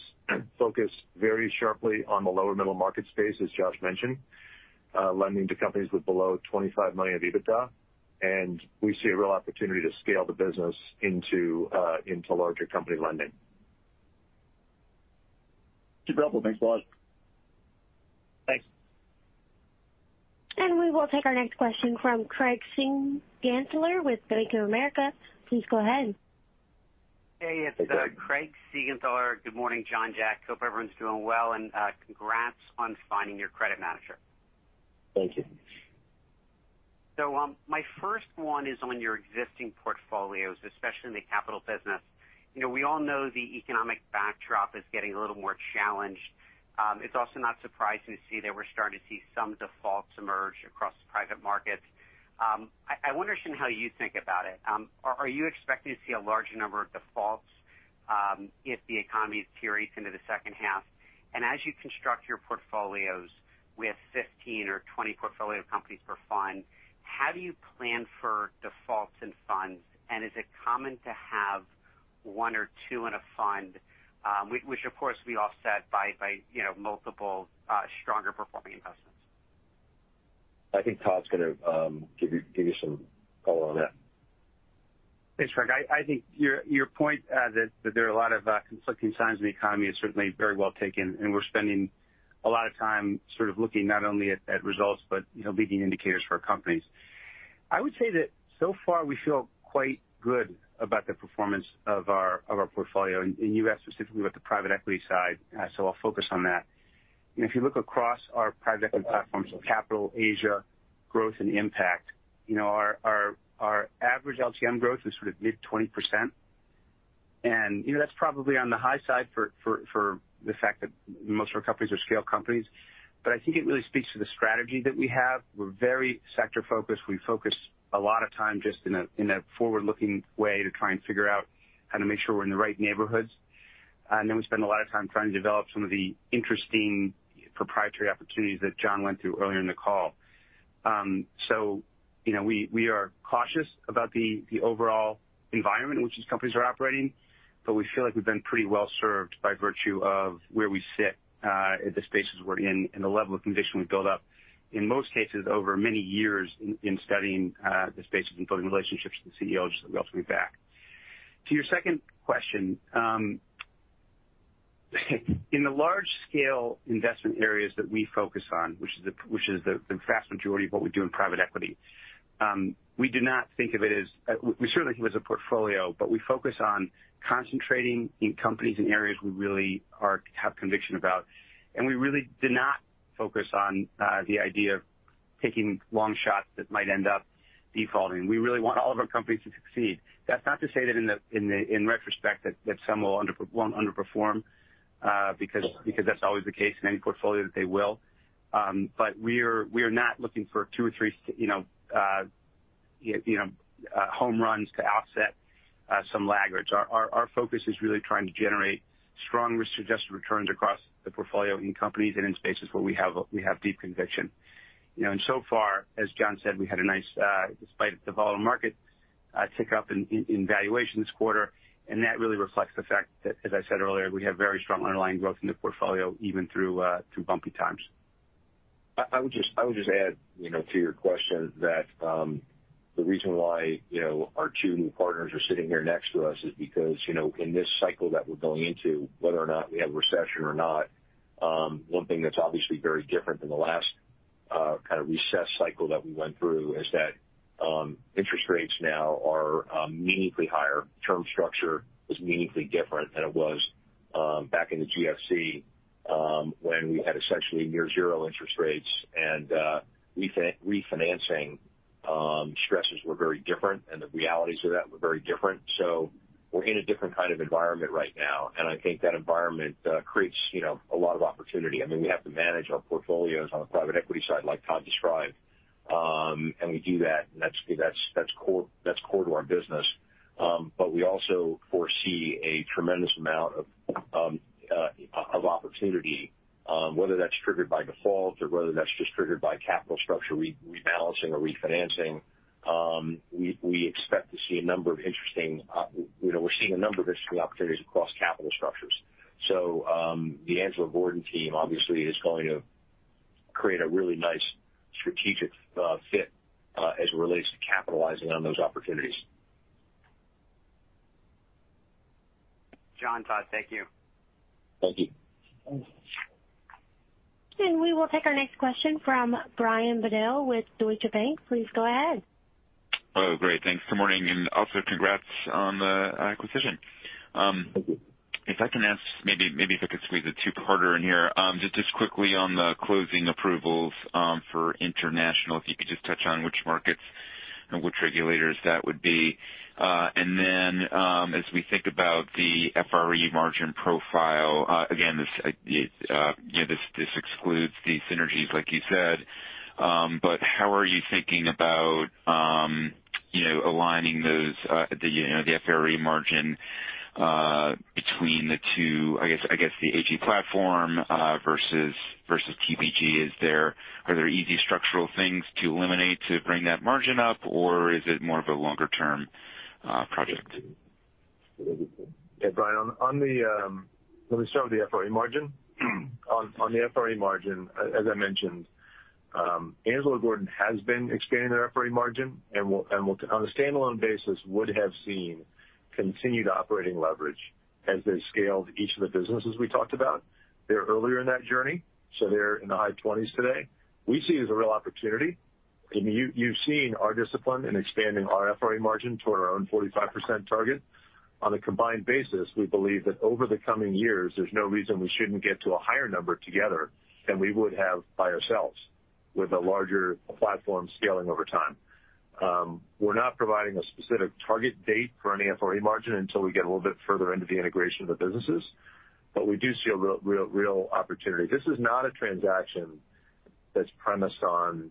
D: focused very sharply on the lower middle market space, as Josh mentioned, lending to companies with below $25 million of EBITDA. We see a real opportunity to scale the business into larger company lending.
H: Super helpful. Thanks a lot.
E: Thanks.
A: We will take our next question from Craig Siegenthaler with Bank of America. Please go ahead.
I: Hey, it's,
D: Hey, Craig.
I: Good morning, Jon, Jack. Hope everyone's doing well, congrats on finding your credit manager.
E: Thank you.
I: My first one is on your existing portfolios, especially in the Capital business. You know, we all know the economic backdrop is getting a little more challenged. It's also not surprising to see that we're starting to see some defaults emerge across the private markets. I wonder, Jim, how you think about it. Are you expecting to see a larger number of defaults if the economy deteriorates into the second half? As you construct your portfolios with 15 or 20 portfolio companies per fund, how do you plan for defaults in funds? Is it common to have one or two in a fund, which of course we offset by, you know, multiple stronger performing investments?
C: I think Todd's gonna give you some color on that.
J: Thanks, Craig. I think your point that there are a lot of conflicting signs in the economy is certainly very well taken. We're spending a lot of time sort of looking not only at results but, you know, leading indicators for our companies. I would say that so far we feel quite good about the performance of our portfolio. You asked specifically about the private equity side, so I'll focus on that. If you look across our private equity platforms, Capital Asia, Growth, and Impact, you know, our average LTM growth was sort of mid-20%. You know, that's probably on the high side for the fact that most of our companies are scale companies. I think it really speaks to the strategy that we have. We're very sector-focused. We focus a lot of time just in a forward-looking way to try and figure out how to make sure we're in the right neighborhoods. Then we spend a lot of time trying to develop some of the interesting proprietary opportunities that Jon went through earlier in the call. You know, we are cautious about the overall environment in which these companies are operating, but we feel like we've been pretty well served by virtue of where we sit, the spaces we're in and the level of conviction we build up, in most cases over many years in studying, the spaces and building relationships with the CEOs that we ultimately back. To your second question, in the large scale investment areas that we focus on, which is the vast majority of what we do in private equity, we do not think of it as. We sure like it was a portfolio, but we focus on concentrating in companies and areas we really have conviction about. We really do not focus on the idea of taking long shots that might end up defaulting. We really want all of our companies to succeed. That's not to say that in retrospect that some won't underperform because that's always the case in any portfolio that they will. But we're not looking for two or three, you know, you know, home runs to offset some laggards. Our focus is really trying to generate strong risk-adjusted returns across the portfolio in companies and in spaces where we have deep conviction. You know, so far, as Jon said, we had a nice, despite the volatile market. A tick up in valuation this quarter. That really reflects the fact that, as I said earlier, we have very strong underlying growth in the portfolio even through bumpy times.
C: I would just add, you know, to your question that the reason why, you know, our two new partners are sitting here next to us is because, you know, in this cycle that we're going into, whether or not we have a recession or not, one thing that's obviously very different than the last kind of recess cycle that we went through is that interest rates now are meaningfully higher. Term structure is meaningfully different than it was back in the GFC when we had essentially near 0 interest rates and we refinancing stresses were very different, and the realities of that were very different. We're in a different kind of environment right now, and I think that environment creates, you know, a lot of opportunity. I mean, we have to manage our portfolios on the private equity side like Todd described. We do that, and that's core to our business. We also foresee a tremendous amount of opportunity, whether that's triggered by default or whether that's just triggered by capital structure re-rebalancing or refinancing. We expect to see a number of interesting. You know, we're seeing a number of interesting opportunities across capital structures. The Angelo Gordon team obviously is going to create a really nice strategic fit as it relates to capitalizing on those opportunities.
I: Jon, Todd, thank you.
C: Thank you.
J: Thanks.
A: We will take our next question from Brian Bedell with Deutsche Bank. Please go ahead.
K: Oh, great. Thanks. Good morning, and also congrats on the acquisition.
C: Thank you.
K: If I can ask, maybe if I could squeeze a two-parter in here. Just quickly on the closing approvals, for international, if you could just touch on which markets and which regulators that would be. Then, as we think about the FRE margin profile, again, this, you know, this excludes the synergies like you said. How are you thinking about, you know, aligning those, the, you know, the FRE margin, between the two, I guess, the AG platform, versus TPG. Are there easy structural things to eliminate to bring that margin up, or is it more of a longer-term project?
C: Yeah, Brian, let me start with the FRE margin. On the FRE margin, as I mentioned, Angelo Gordon has been expanding their FRE margin and will, on a standalone basis, would have seen continued operating leverage as they scaled each of the businesses we talked about. They're earlier in that journey. They're in the high 20's today. We see it as a real opportunity. I mean, you've seen our discipline in expanding our FRE margin to our own 45% target. On a combined basis, we believe that over the coming years, there's no reason we shouldn't get to a higher number together than we would have by ourselves with a larger platform scaling over time. We're not providing a specific target date for any FRE margin until we get a little bit further into the integration of the businesses, but we do see a real opportunity. This is not a transaction that's premised on,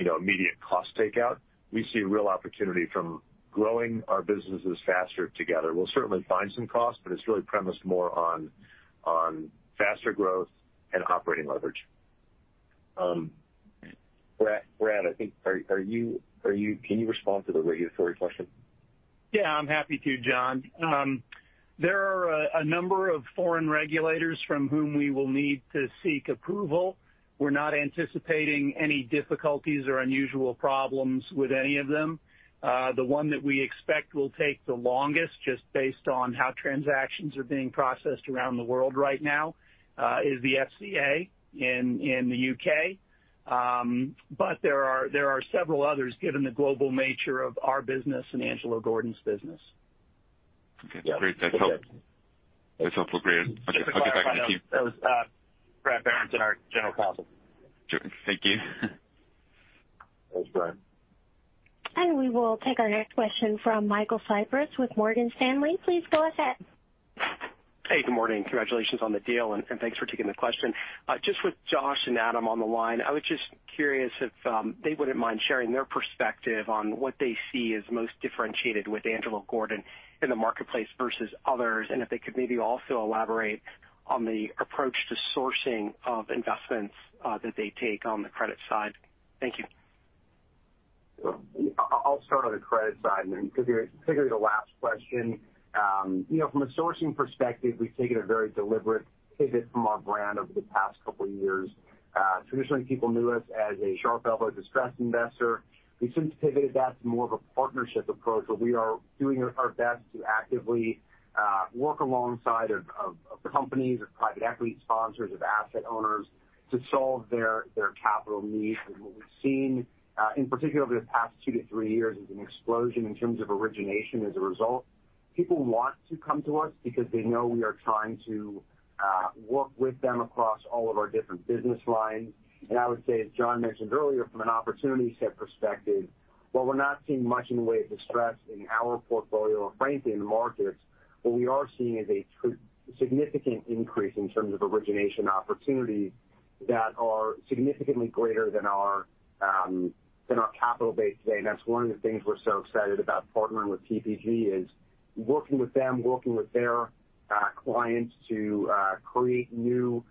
C: you know, immediate cost takeout. We see real opportunity from growing our businesses faster together. We'll certainly find some costs, but it's really premised more on faster growth and operating leverage. Brad, I think can you respond to the regulatory question?
L: Yeah, I'm happy to, Jon. There are a number of foreign regulators from whom we will need to seek approval. We're not anticipating any difficulties or unusual problems with any of them. The one that we expect will take the longest, just based on how transactions are being processed around the world right now, is the FCA in the U.K. There are several others given the global nature of our business and Angelo Gordon's business.
K: Okay. That's great. That's helpful. That's helpful. Great. I'll get back to the team.
C: Just to clarify, that was, Bradford Berenson and our general counsel.
K: Sure. Thank you.
C: Thanks, Brian.
A: We will take our next question from Michael Cyprys with Morgan Stanley. Please go ahead.
M: Hey, good morning. Congratulations on the deal, and thanks for taking the question. Just with Josh and Adam on the line, I was just curious if they wouldn't mind sharing their perspective on what they see as most differentiated with Angelo Gordon in the marketplace versus others, and if they could maybe also elaborate on the approach to sourcing of investments that they take on the credit side. Thank you.
E: I'll start on the credit side and then figure the last question. you know, from a sourcing perspective, we've taken a very deliberate pivot from our brand over the past couple years. Traditionally, people knew us as a sharp elbow distressed investor. We've since pivoted that to more of a partnership approach, but we are doing our best to actively work alongside of the companies or private equity sponsors, of asset owners to solve their capital needs. What we've seen in particular over the past two to three years, is an explosion in terms of origination as a result. People want to come to us because they know we are trying to work with them across all of our different business lines.
D: I would say, as Jon mentioned earlier, from an opportunity set perspective, while we're not seeing much in the way of distress in our portfolio or frankly in the markets, what we are seeing is a significant increase in terms of origination opportunities that are significantly greater than our, than our capital base today. That's one of the things we're so excited about partnering with TPG is working with them, working with their clients to create new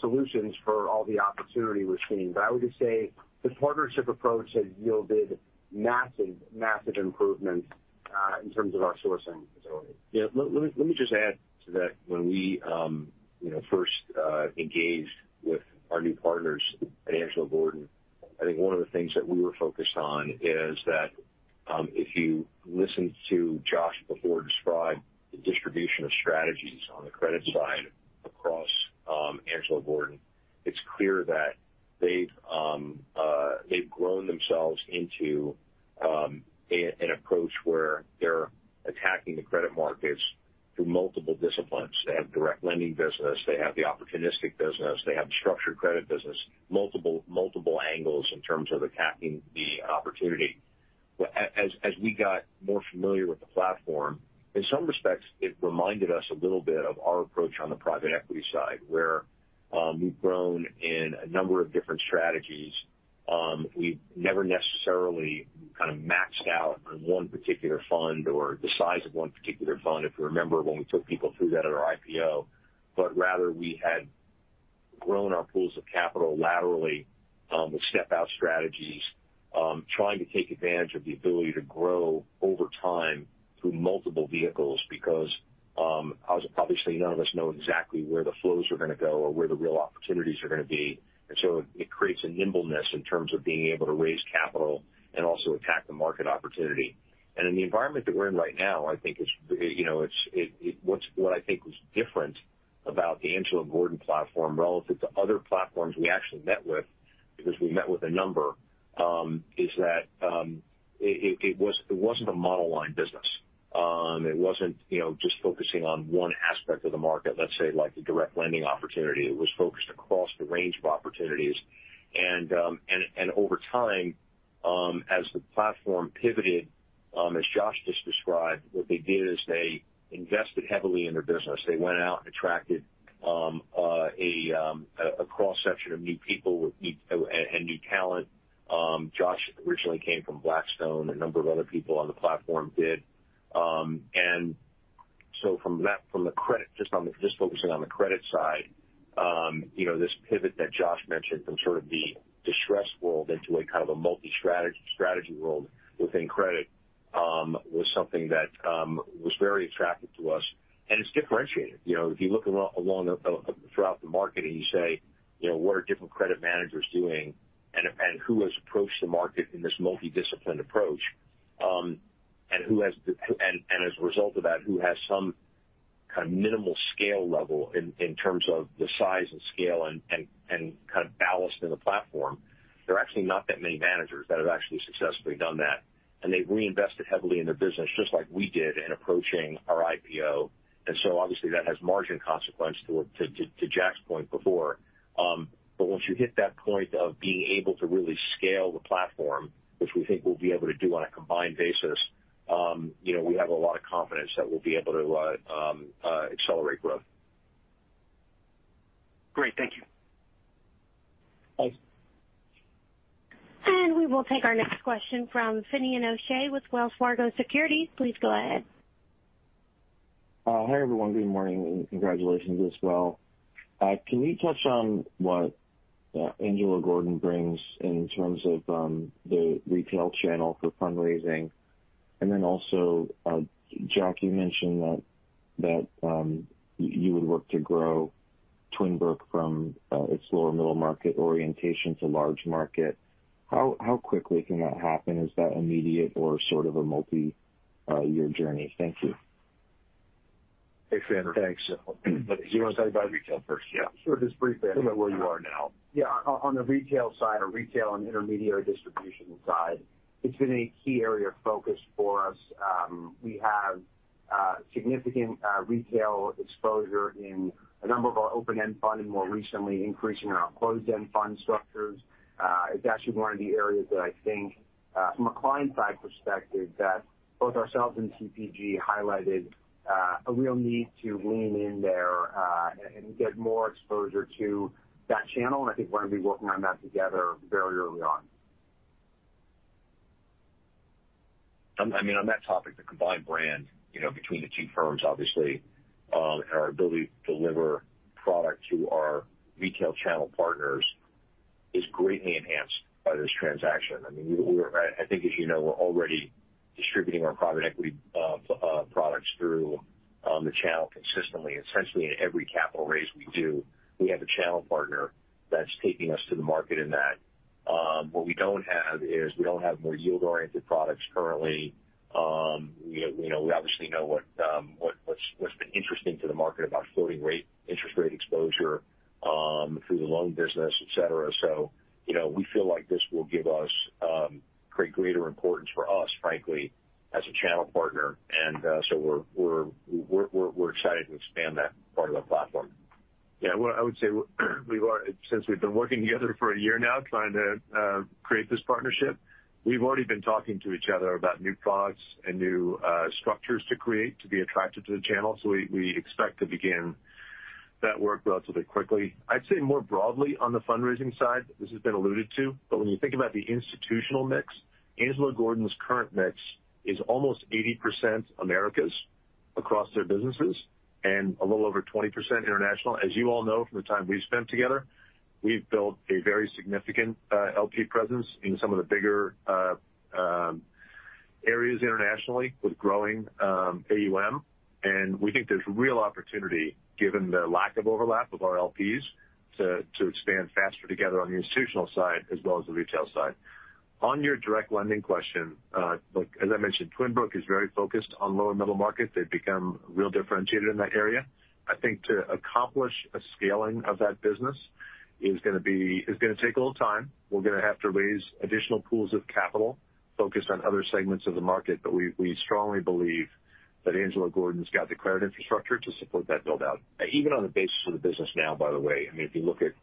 D: solutions for all the opportunity we're seeing. I would just say the partnership approach has yielded massive improvements, in terms of our sourcing ability.
C: Yeah. Let me just add to that. When we, you know, first engaged with our new partners at Angelo Gordon, I think one of the things that we were focused on is that, if you listen to Josh before describe the distribution of strategies on the credit side across Angelo Gordon, it's clear that they've grown themselves into an approach where they're attacking the credit markets through multiple disciplines. They have direct lending business. They have the opportunistic business. They have the structured credit business, multiple angles in terms of attacking the opportunity. As we got more familiar with the platform, in some respects, it reminded us a little bit of our approach on the private equity side, where we've grown in a number of different strategies. We've never necessarily kind of maxed out on one particular fund or the size of one particular fund, if you remember when we took people through that at our IPO, but rather we had grown our pools of capital laterally, with step out strategies, trying to take advantage of the ability to grow over time through multiple vehicles because, obviously none of us know exactly where the flows are gonna go or where the real opportunities are gonna be. It creates a nimbleness in terms of being able to raise capital and also attack the market opportunity. In the environment that we're in right now, I think, you know, what I think was different about the Angelo Gordon platform relative to other platforms we actually met with, because we met with a number, is that it wasn't a model line business. It wasn't, you know, just focusing on one aspect of the market, let's say, like the direct lending opportunity. It was focused across the range of opportunities. Over time, as the platform pivoted, as Josh just described, what they did is they invested heavily in their business. They went out and attracted a cross-section of new people with new talent. Josh originally came from Blackstone, a number of other people on the platform did. From that, from the credit, just focusing on the credit side, you know, this pivot that Josh mentioned from sort of the distressed world into a kind of a multi-strategy, strategy world within credit, was something that was very attractive to us and it's differentiated. You know, if you look along the throughout the market and you say, you know, what are different credit managers doing and who has approached the market in this multi-disciplined approach, and who has the and as a result of that, who has some kind of minimal scale level in terms of the size and scale and kind of ballast in the platform. There are actually not that many managers that have actually successfully done that, and they've reinvested heavily in their business, just like we did in approaching our IPO. Obviously that has margin consequence to Jack's point before. Once you hit that point of being able to really scale the platform, which we think we'll be able to do on a combined basis, you know, we have a lot of confidence that we'll be able to accelerate growth.
M: Great. Thank you.
C: Thanks.
A: We will take our next question from Finian O'Shea with Wells Fargo Securities. Please go ahead.
N: Hi, everyone. Good morning, and congratulations as well. Can we touch on what Angelo Gordon brings in terms of the retail channel for fundraising? Also, Jack, you mentioned that you would look to grow Twin Brook from its lower middle market orientation to large market. How quickly can that happen? Is that immediate or sort of a multi-year journey? Thank you.
C: Hey, Finian.
N: Thanks.
C: Do you wanna talk about retail first?
D: Yeah, sure. Just briefly.
C: Talk about where you are now.
D: Yeah. On the retail side or retail and intermediary distribution side, it's been a key area of focus for us. We have significant retail exposure in a number of our open-end fund and more recently increasing our closed-end fund structures. It's actually one of the areas that I think from a client side perspective, that both ourselves and TPG highlighted a real need to lean in there and get more exposure to that channel. I think we're gonna be working on that together very early on.
C: I mean, on that topic, the combined brand, you know, between the two firms, obviously, and our ability to deliver product to our retail channel partners is greatly enhanced by this transaction. I mean, we think, as you know, we're already distributing our private equity products through the channel consistently. Essentially in every capital raise we do, we have a channel partner that's taking us to the market in that. What we don't have is we don't have more yield-oriented products currently. We, you know, we obviously know what's been interesting to the market about floating rate, interest rate exposure through the loan business, et cetera. You know, we feel like this will give us, create greater importance for us, frankly, as a channel partner. We're excited to expand that part of the platform.
D: Yeah. What I would say, since we've been working together for a year now trying to create this partnership, we've already been talking to each other about new products and new structures to create to be attractive to the channel. We expect to begin that work relatively quickly. I'd say more broadly on the fundraising side, this has been alluded to, but when you think about the institutional mix, Angelo Gordon's current mix is almost 80% Americas.
C: Across their businesses a little over 20% international. As you all know from the time we've spent together, we've built a very significant LP presence in some of the bigger areas internationally with growing AUM. We think there's real opportunity given the lack of overlap of our LPs to expand faster together on the institutional side as well as the retail side. On your direct lending question, look, as I mentioned, Twin Brook is very focused on lower middle market. They've become real differentiated in that area. I think to accomplish a scaling of that business is gonna take a little time. We're gonna have to raise additional pools of capital focused on other segments of the market, but we strongly believe that Angelo Gordon's got the credit infrastructure to support that build-out. Even on the basis of the business now, by the way, I mean, if you look at,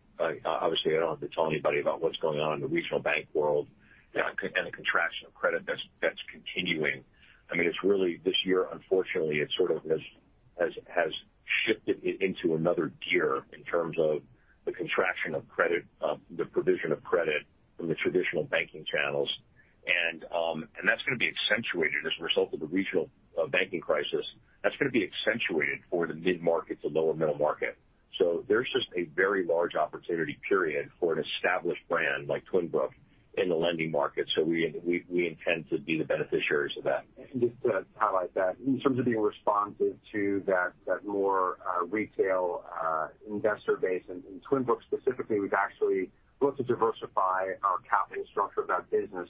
C: obviously I don't have to tell anybody about what's going on in the regional bank world and the contraction of credit that's continuing. I mean, it's really this year, unfortunately, it sort of has shifted into another gear in terms of the contraction of credit, the provision of credit from the traditional banking channels. That's gonna be accentuated as a result of the regional banking crisis. That's gonna be accentuated for the mid-market to lower middle market. There's just a very large opportunity period for an established brand like Twin Brook in the lending market. We intend to be the beneficiaries of that.
E: Just to highlight that in terms of being responsive to that more retail investor base in Twin Brook specifically, we've actually looked to diversify our capital structure of that business.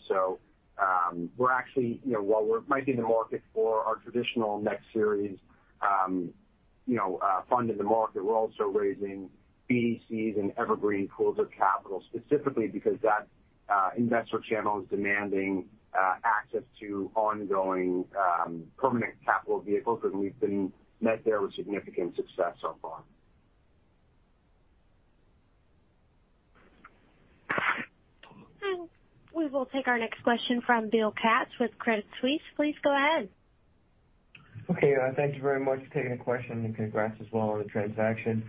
E: We're actually, you know, while we're might be in the market for our traditional next series, you know, fund in the market, we're also raising BDCs and evergreen pools of capital specifically because that investor channel is demanding access to ongoing permanent capital vehicles. We've been met there with significant success so far.
A: We will take our next question from Bill Katz with Credit Suisse. Please go ahead.
O: Okay. Thank you very much for taking the question and congrats as well on the transaction.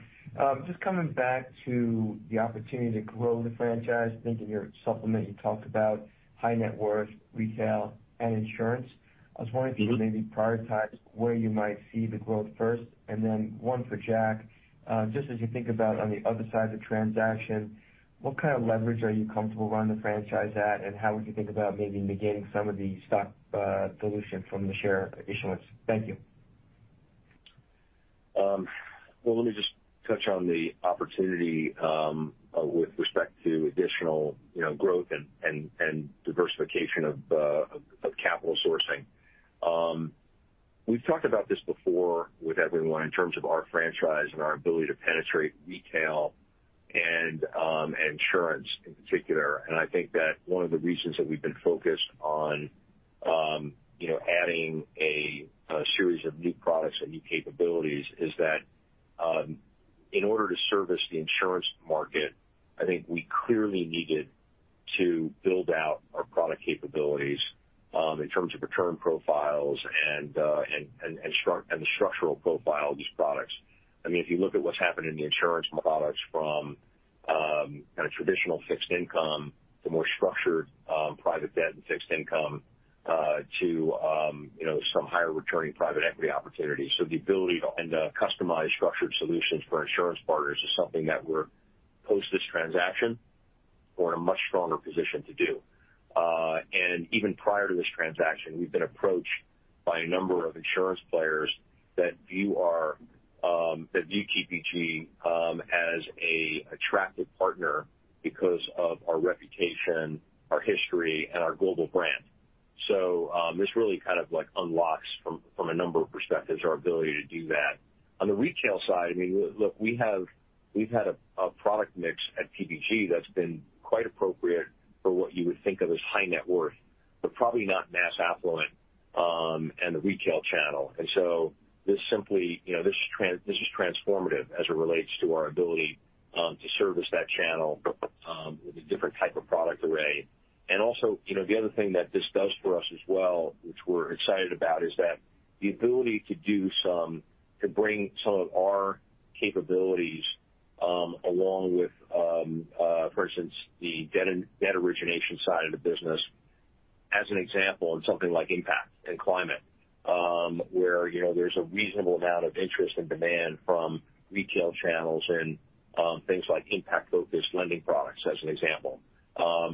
O: Just coming back to the opportunity to grow the franchise. I think in your supplement you talked about high net worth retail and insurance. I was wondering if you could maybe prioritize where you might see the growth first, and then one for Jack. Just as you think about on the other side of the transaction, what kind of leverage are you comfortable running the franchise at, and how would you think about maybe negating some of the stock dilution from the share issuance? Thank you.
C: Well, let me just touch on the opportunity with respect to additional, you know, growth and diversification of capital sourcing. We've talked about this before with everyone in terms of our franchise and our ability to penetrate retail and insurance in particular. I think that one of the reasons that we've been focused on, you know, adding a series of new products and new capabilities is that in order to service the insurance market, I think we clearly needed to build out our product capabilities in terms of return profiles and the structural profile of these products. I mean, if you look at what's happened in the insurance products from, kind of traditional fixed income to more structured, private debt and fixed income, to, you know, some higher returning private equity opportunities. The ability to end up customized structured solutions for our insurance partners is something that we're, post this transaction, we're in a much stronger position to do. Even prior to this transaction, we've been approached by a number of insurance players that view our, that view TPG, as an attractive partner because of our reputation, our history, and our global brand. This really kind of like unlocks from a number of perspectives our ability to do that. On the retail side, I mean, look, we've had a product mix at TPG that's been quite appropriate for what you would think of as high net worth, but probably not mass affluent, and the retail channel. This simply, you know, this is transformative as it relates to our ability to service that channel with a different type of product array. Also, you know, the other thing that this does for us as well, which we're excited about, is that the ability to bring some of our capabilities, along with, for instance, debt origination side of the business, as an example, in something like impact and climate, where, you know, there's a reasonable amount of interest and demand from retail channels and, things like impact-focused lending products as an example. I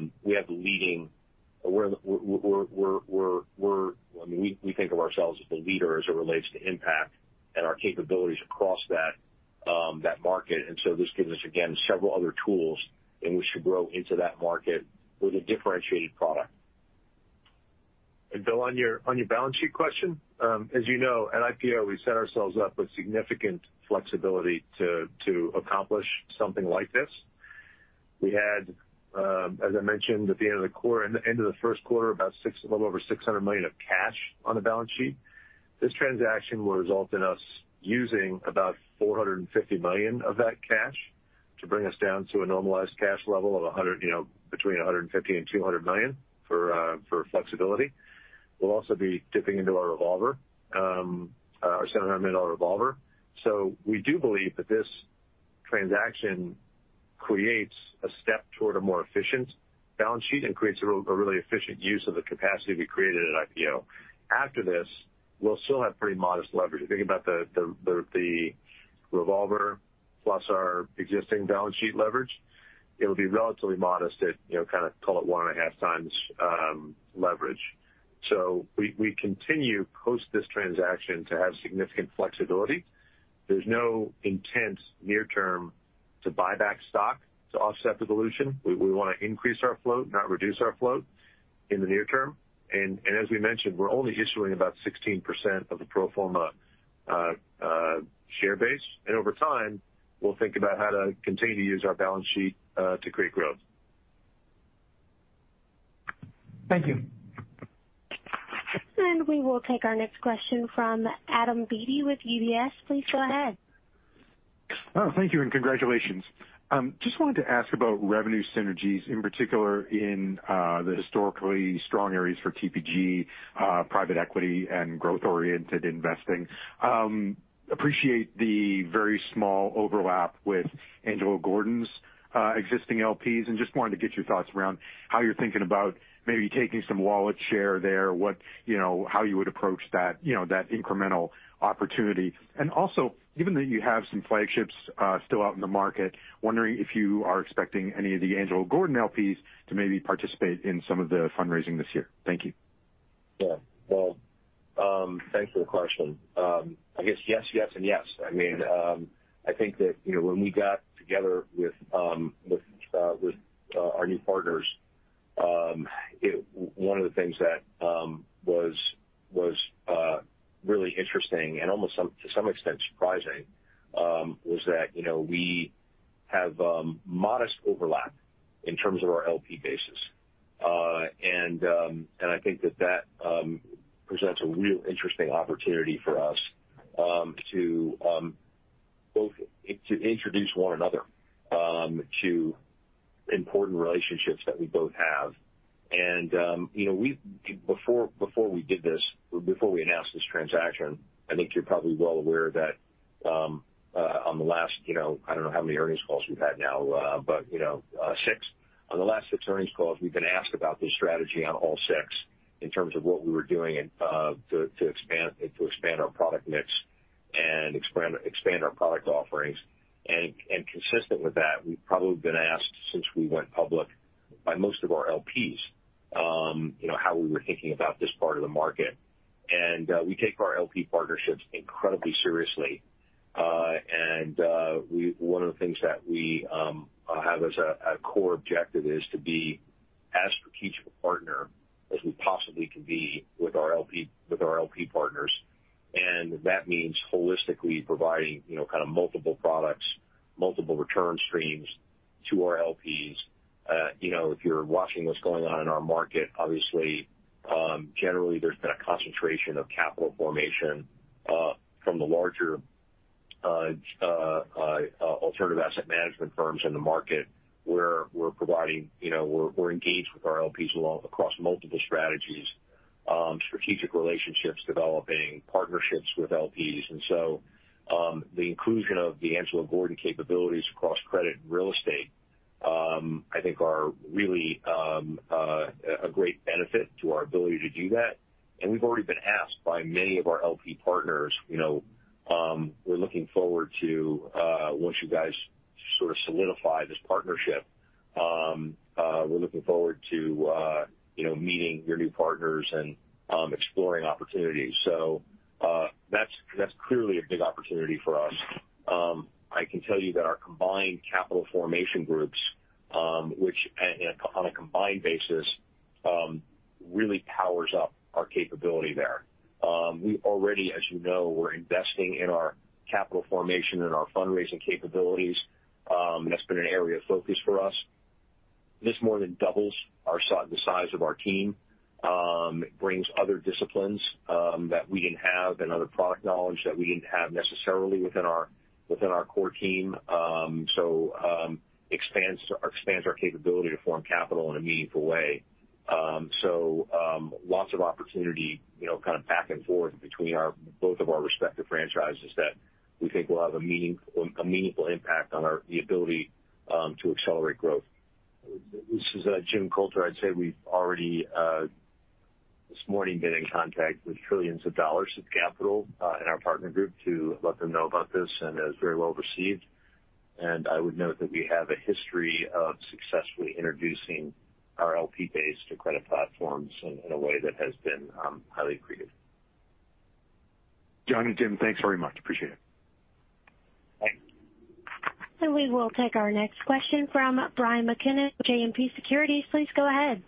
C: mean, we think of ourselves as the leader as it relates to impact and our capabilities across that market. This gives us, again, several other tools in which to grow into that market with a differentiated product.
D: Bill, on your balance sheet question, as you know, at IPO, we set ourselves up with significant flexibility to accomplish something like this. We had, as I mentioned at the end of the first quarter, a little over $600 million of cash on the balance sheet. This transaction will result in us using about $450 million of that cash to bring us down to a normalized cash level of, you know, between $150 million-$200 million for flexibility. We'll also be dipping into our revolver, our $700 million revolver. We do believe that this transaction creates a step toward a more efficient balance sheet and creates a really efficient use of the capacity we created at IPO. After this, we'll still have pretty modest leverage. If you think about the revolver plus our existing balance sheet leverage, it'll be relatively modest at, you know, kinda call it 1.5x leverage. We continue post this transaction to have significant flexibility. There's no intent near term to buy back stock to offset the dilution. We wanna increase our float, not reduce our float in the near term. As we mentioned, we're only issuing about 16% of the pro forma share base. Over time, we'll think about how to continue to use our balance sheet to create growth.
O: Thank you.
A: We will take our next question from Adam Beatty with UBS. Please go ahead.
P: Thank you. Congratulations. Just wanted to ask about revenue synergies, in particular in the historically strong areas for TPG, private equity and growth-oriented investing. Appreciate the very small overlap with Angelo Gordon's existing LPs, and just wanted to get your thoughts around how you're thinking about maybe taking some wallet share there, what, you know, how you would approach that, you know, that incremental opportunity. Also, given that you have some flagships still out in the market, wondering if you are expecting any of the Angelo Gordon LPs to maybe participate in some of the fundraising this year. Thank you.
C: Yeah. Well, thanks for the question. I guess yes and yes. I mean, I think that, you know, when we got together with our new partners, One of the things that was really interesting and almost to some extent surprising was that, you know, we have modest overlap in terms of our LP basis. And I think that that presents a real interesting opportunity for us to both introduce one another to important relationships that we both have. You know, Before we did this, before we announced this transaction, I think you're probably well aware that on the last, you know, I don't know how many earnings calls we've had now, but, you know, six. On the last six earnings calls, we've been asked about this strategy on all six in terms of what we were doing to expand our product mix and expand our product offerings. Consistent with that, we've probably been asked since we went public by most of our LPs, you know, how we were thinking about this part of the market. We take our LP partnerships incredibly seriously. One of the things that we have as a core objective is to be as strategic a partner as we possibly can be with our LP partners. That means holistically providing, you know, kind of multiple products, multiple return streams to our LPs. You know, if you're watching what's going on in our market, obviously, generally there's been a concentration of capital formation from the larger alternative asset management firms in the market where we're providing, you know, we're engaged with our LPs along across multiple strategies, strategic relationships, developing partnerships with LPs. The inclusion of the Angelo Gordon capabilities across credit and real estate, I think are really a great benefit to our ability to do that. We've already been asked by many of our LP partners, you know, we're looking forward to once you guys sort of solidify this partnership, we're looking forward to, you know, meeting your new partners and exploring opportunities. That's clearly a big opportunity for us. I can tell you that our combined capital formation groups, and on a combined basis, really powers up our capability there. We already, as you know, we're investing in our capital formation and our fundraising capabilities. That's been an area of focus for us. This more than doubles the size of our team. It brings other disciplines that we didn't have and other product knowledge that we didn't have necessarily within our core team. Expands our capability to form capital in a meaningful way. Lots of opportunity, you know, kind of back and forth between both of our respective franchises that we think will have a meaningful impact on the ability to accelerate growth.
Q: This is Jim Coulter. I'd say we've already this morning been in contact with trillions of dollars of capital in our partner group to let them know about this, and it was very well received. I would note that we have a history of successfully introducing our LP base to credit platforms in a way that has been highly creative.
P: Jon and Jim, thanks very much. Appreciate it.
C: Thanks.
A: We will take our next question from Brian McKenna with JMP Securities. Please go ahead.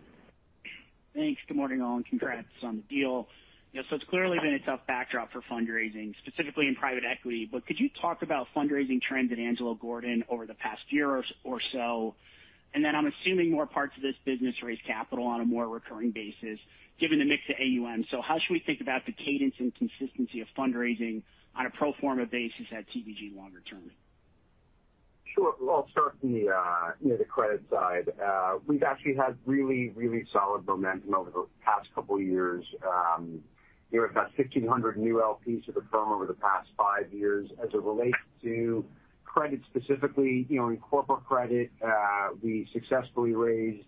R: Thanks. Good morning, all. Congrats on the deal. You know, it's clearly been a tough backdrop for fundraising, specifically in private equity. Could you talk about fundraising trends at Angelo Gordon over the past year or so? I'm assuming more parts of this business raise capital on a more recurring basis given the mix of AUM. How should we think about the cadence and consistency of fundraising on a pro forma basis at TPG longer term?
E: Sure. Well, I'll start on the, you know, the credit side. We've actually had really solid momentum over the past couple years. You know, we've got 1,600 new LPs to the firm over the past five years. As it relates to credit specifically, you know, in corporate credit, we successfully raised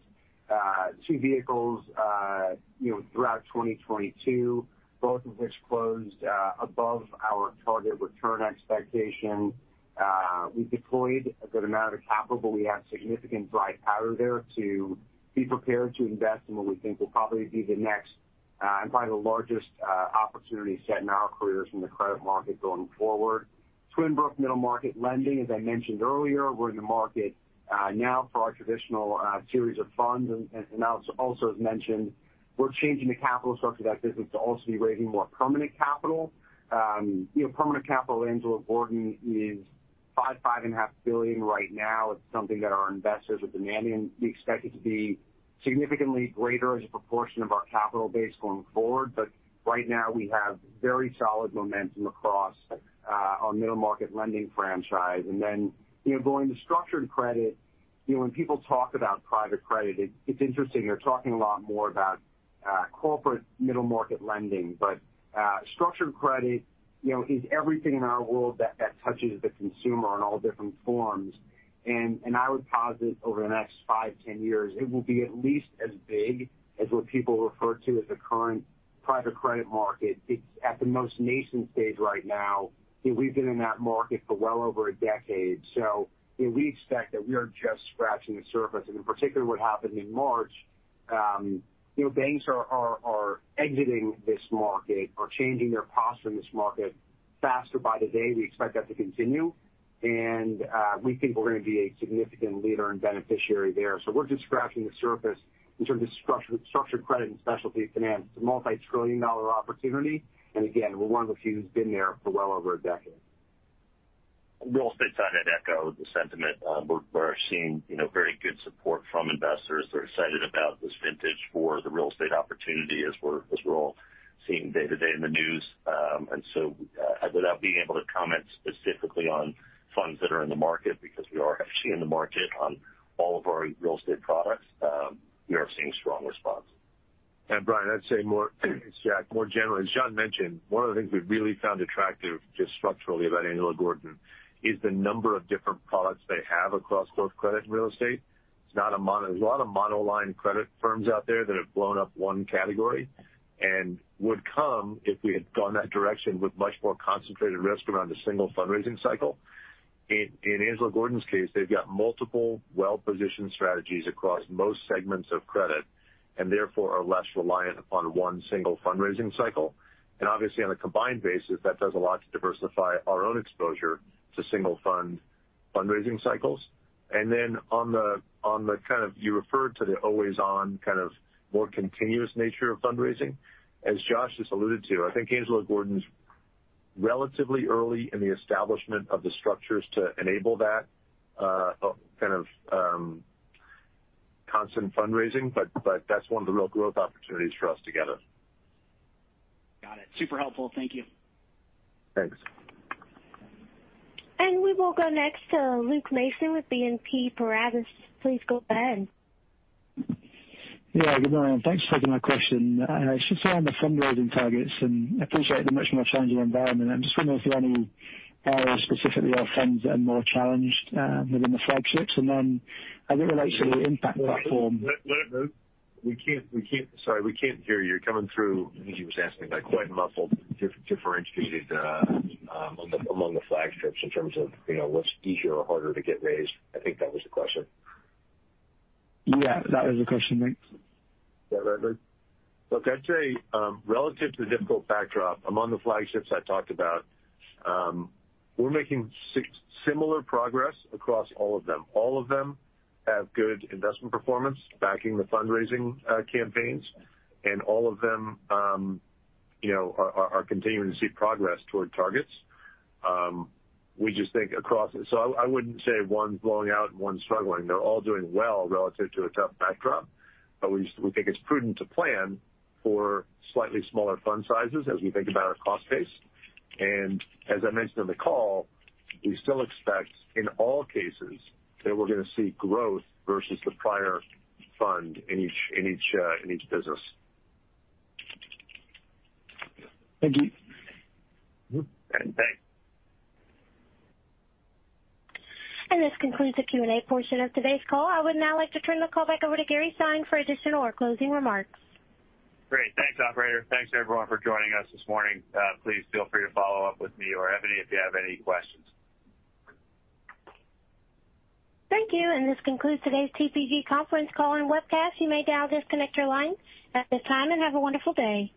E: Two vehicles, you know, throughout 2022, both of which closed above our target return expectation. We deployed a good amount of capital. We have significant dry powder there to be prepared to invest in what we think will probably be the next, and probably the largest, opportunity set in our careers in the credit market going forward. Twin Brook Middle Market Lending, as I mentioned earlier, we're in the market now for our traditional series of funds. Also as mentioned, we're changing the capital structure of that business to also be raising more permanent capital. You know, permanent capital at Angelo Gordon is $5.5 billion right now. It's something that our investors are demanding, and we expect it to be significantly greater as a proportion of our capital base going forward. Right now we have very solid momentum across our middle market lending franchise. You know, going to structured credit, you know, when people talk about private credit, it's interesting. They're talking a lot more about corporate middle market lending. Structured credit, you know, is everything in our world that touches the consumer in all different forms. I would posit over the next five, 10 years, it will be at least as big as what people refer to as the current private credit market. It's at the most nascent stage right now, and we've been in that market for well over a decade. We expect that we are just scratching the surface. In particular, what happened in March, you know, banks are exiting this market or changing their posture in this market faster by the day. We expect that to continue, we think we're gonna be a significant leader and beneficiary there. We're just scratching the surface in terms of structured credit and specialty finance. It's a multi-trillion dollar opportunity, again, we're one of the few who's been there for well over a decade.
F: Real estate side, I'd echo the sentiment. We're seeing, you know, very good support from investors. They're excited about this vintage for the real estate opportunity as we're all seeing day to day in the news. Without being able to comment specifically on funds that are in the market because we are actually in the market on all of our real estate products, we are seeing strong response.
D: Brian, I'd say It's Jack Weingart, more generally, as Jon Winkelried mentioned, one of the things we've really found attractive just structurally about Angelo Gordon is the number of different products they have across both credit and real estate. It's not There's a lot of mono-line credit firms out there that have blown up one category and would come if we had gone that direction with much more concentrated risk around a single fundraising cycle. In Angelo Gordon's case, they've got multiple well-positioned strategies across most segments of credit and therefore are less reliant upon one single fundraising cycle. Obviously, on a combined basis, that does a lot to diversify our own exposure to single fund fundraising cycles. Then on the kind of You referred to the always-on kind of more continuous nature of fundraising. As Josh just alluded to, I think Angelo Gordon's relatively early in the establishment of the structures to enable that, kind of, constant fundraising, but that's one of the real growth opportunities for us together.
E: Got it. Super helpful. Thank you.
D: Thanks.
A: We will go next to Luke Mason with BNP Paribas. Please go ahead.
S: Yeah, good morning. Thanks for taking my question. Just around the fundraising targets, I appreciate how much more challenging environment. I'm just wondering if there are any areas, specifically our funds that are more challenged, within the flagships? As it relates to the impact platform-
D: Luke, we can't. Sorry, we can't hear you. You're coming through, I think he was asking about quite muffled, differentiated, among the flagships in terms of, you know, what's easier or harder to get raised. I think that was the question.
S: Yeah, that was the question. Thanks.
D: Is that right, Luke? Look, I'd say, relative to the difficult backdrop, among the flagships I talked about, we're making similar progress across all of them. All of them have good investment performance backing the fundraising campaigns, and all of them, you know, are continuing to see progress toward targets. I wouldn't say one's blowing out and one's struggling. They're all doing well relative to a tough backdrop. We think it's prudent to plan for slightly smaller fund sizes as we think about our cost base. As I mentioned on the call, we still expect in all cases that we're gonna see growth versus the prior fund in each business.
S: Thank you.
D: Mm-hmm. Thanks.
A: This concludes the Q&A portion of today's call. I would now like to turn the call back over to Gary Stein for additional or closing remarks.
B: Great. Thanks, operator. Thanks, everyone for joining us this morning. Please feel free to follow up with me or Ebony if you have any questions.
A: Thank you. This concludes today's TPG conference call and webcast. You may now disconnect your lines at this time and have a wonderful day.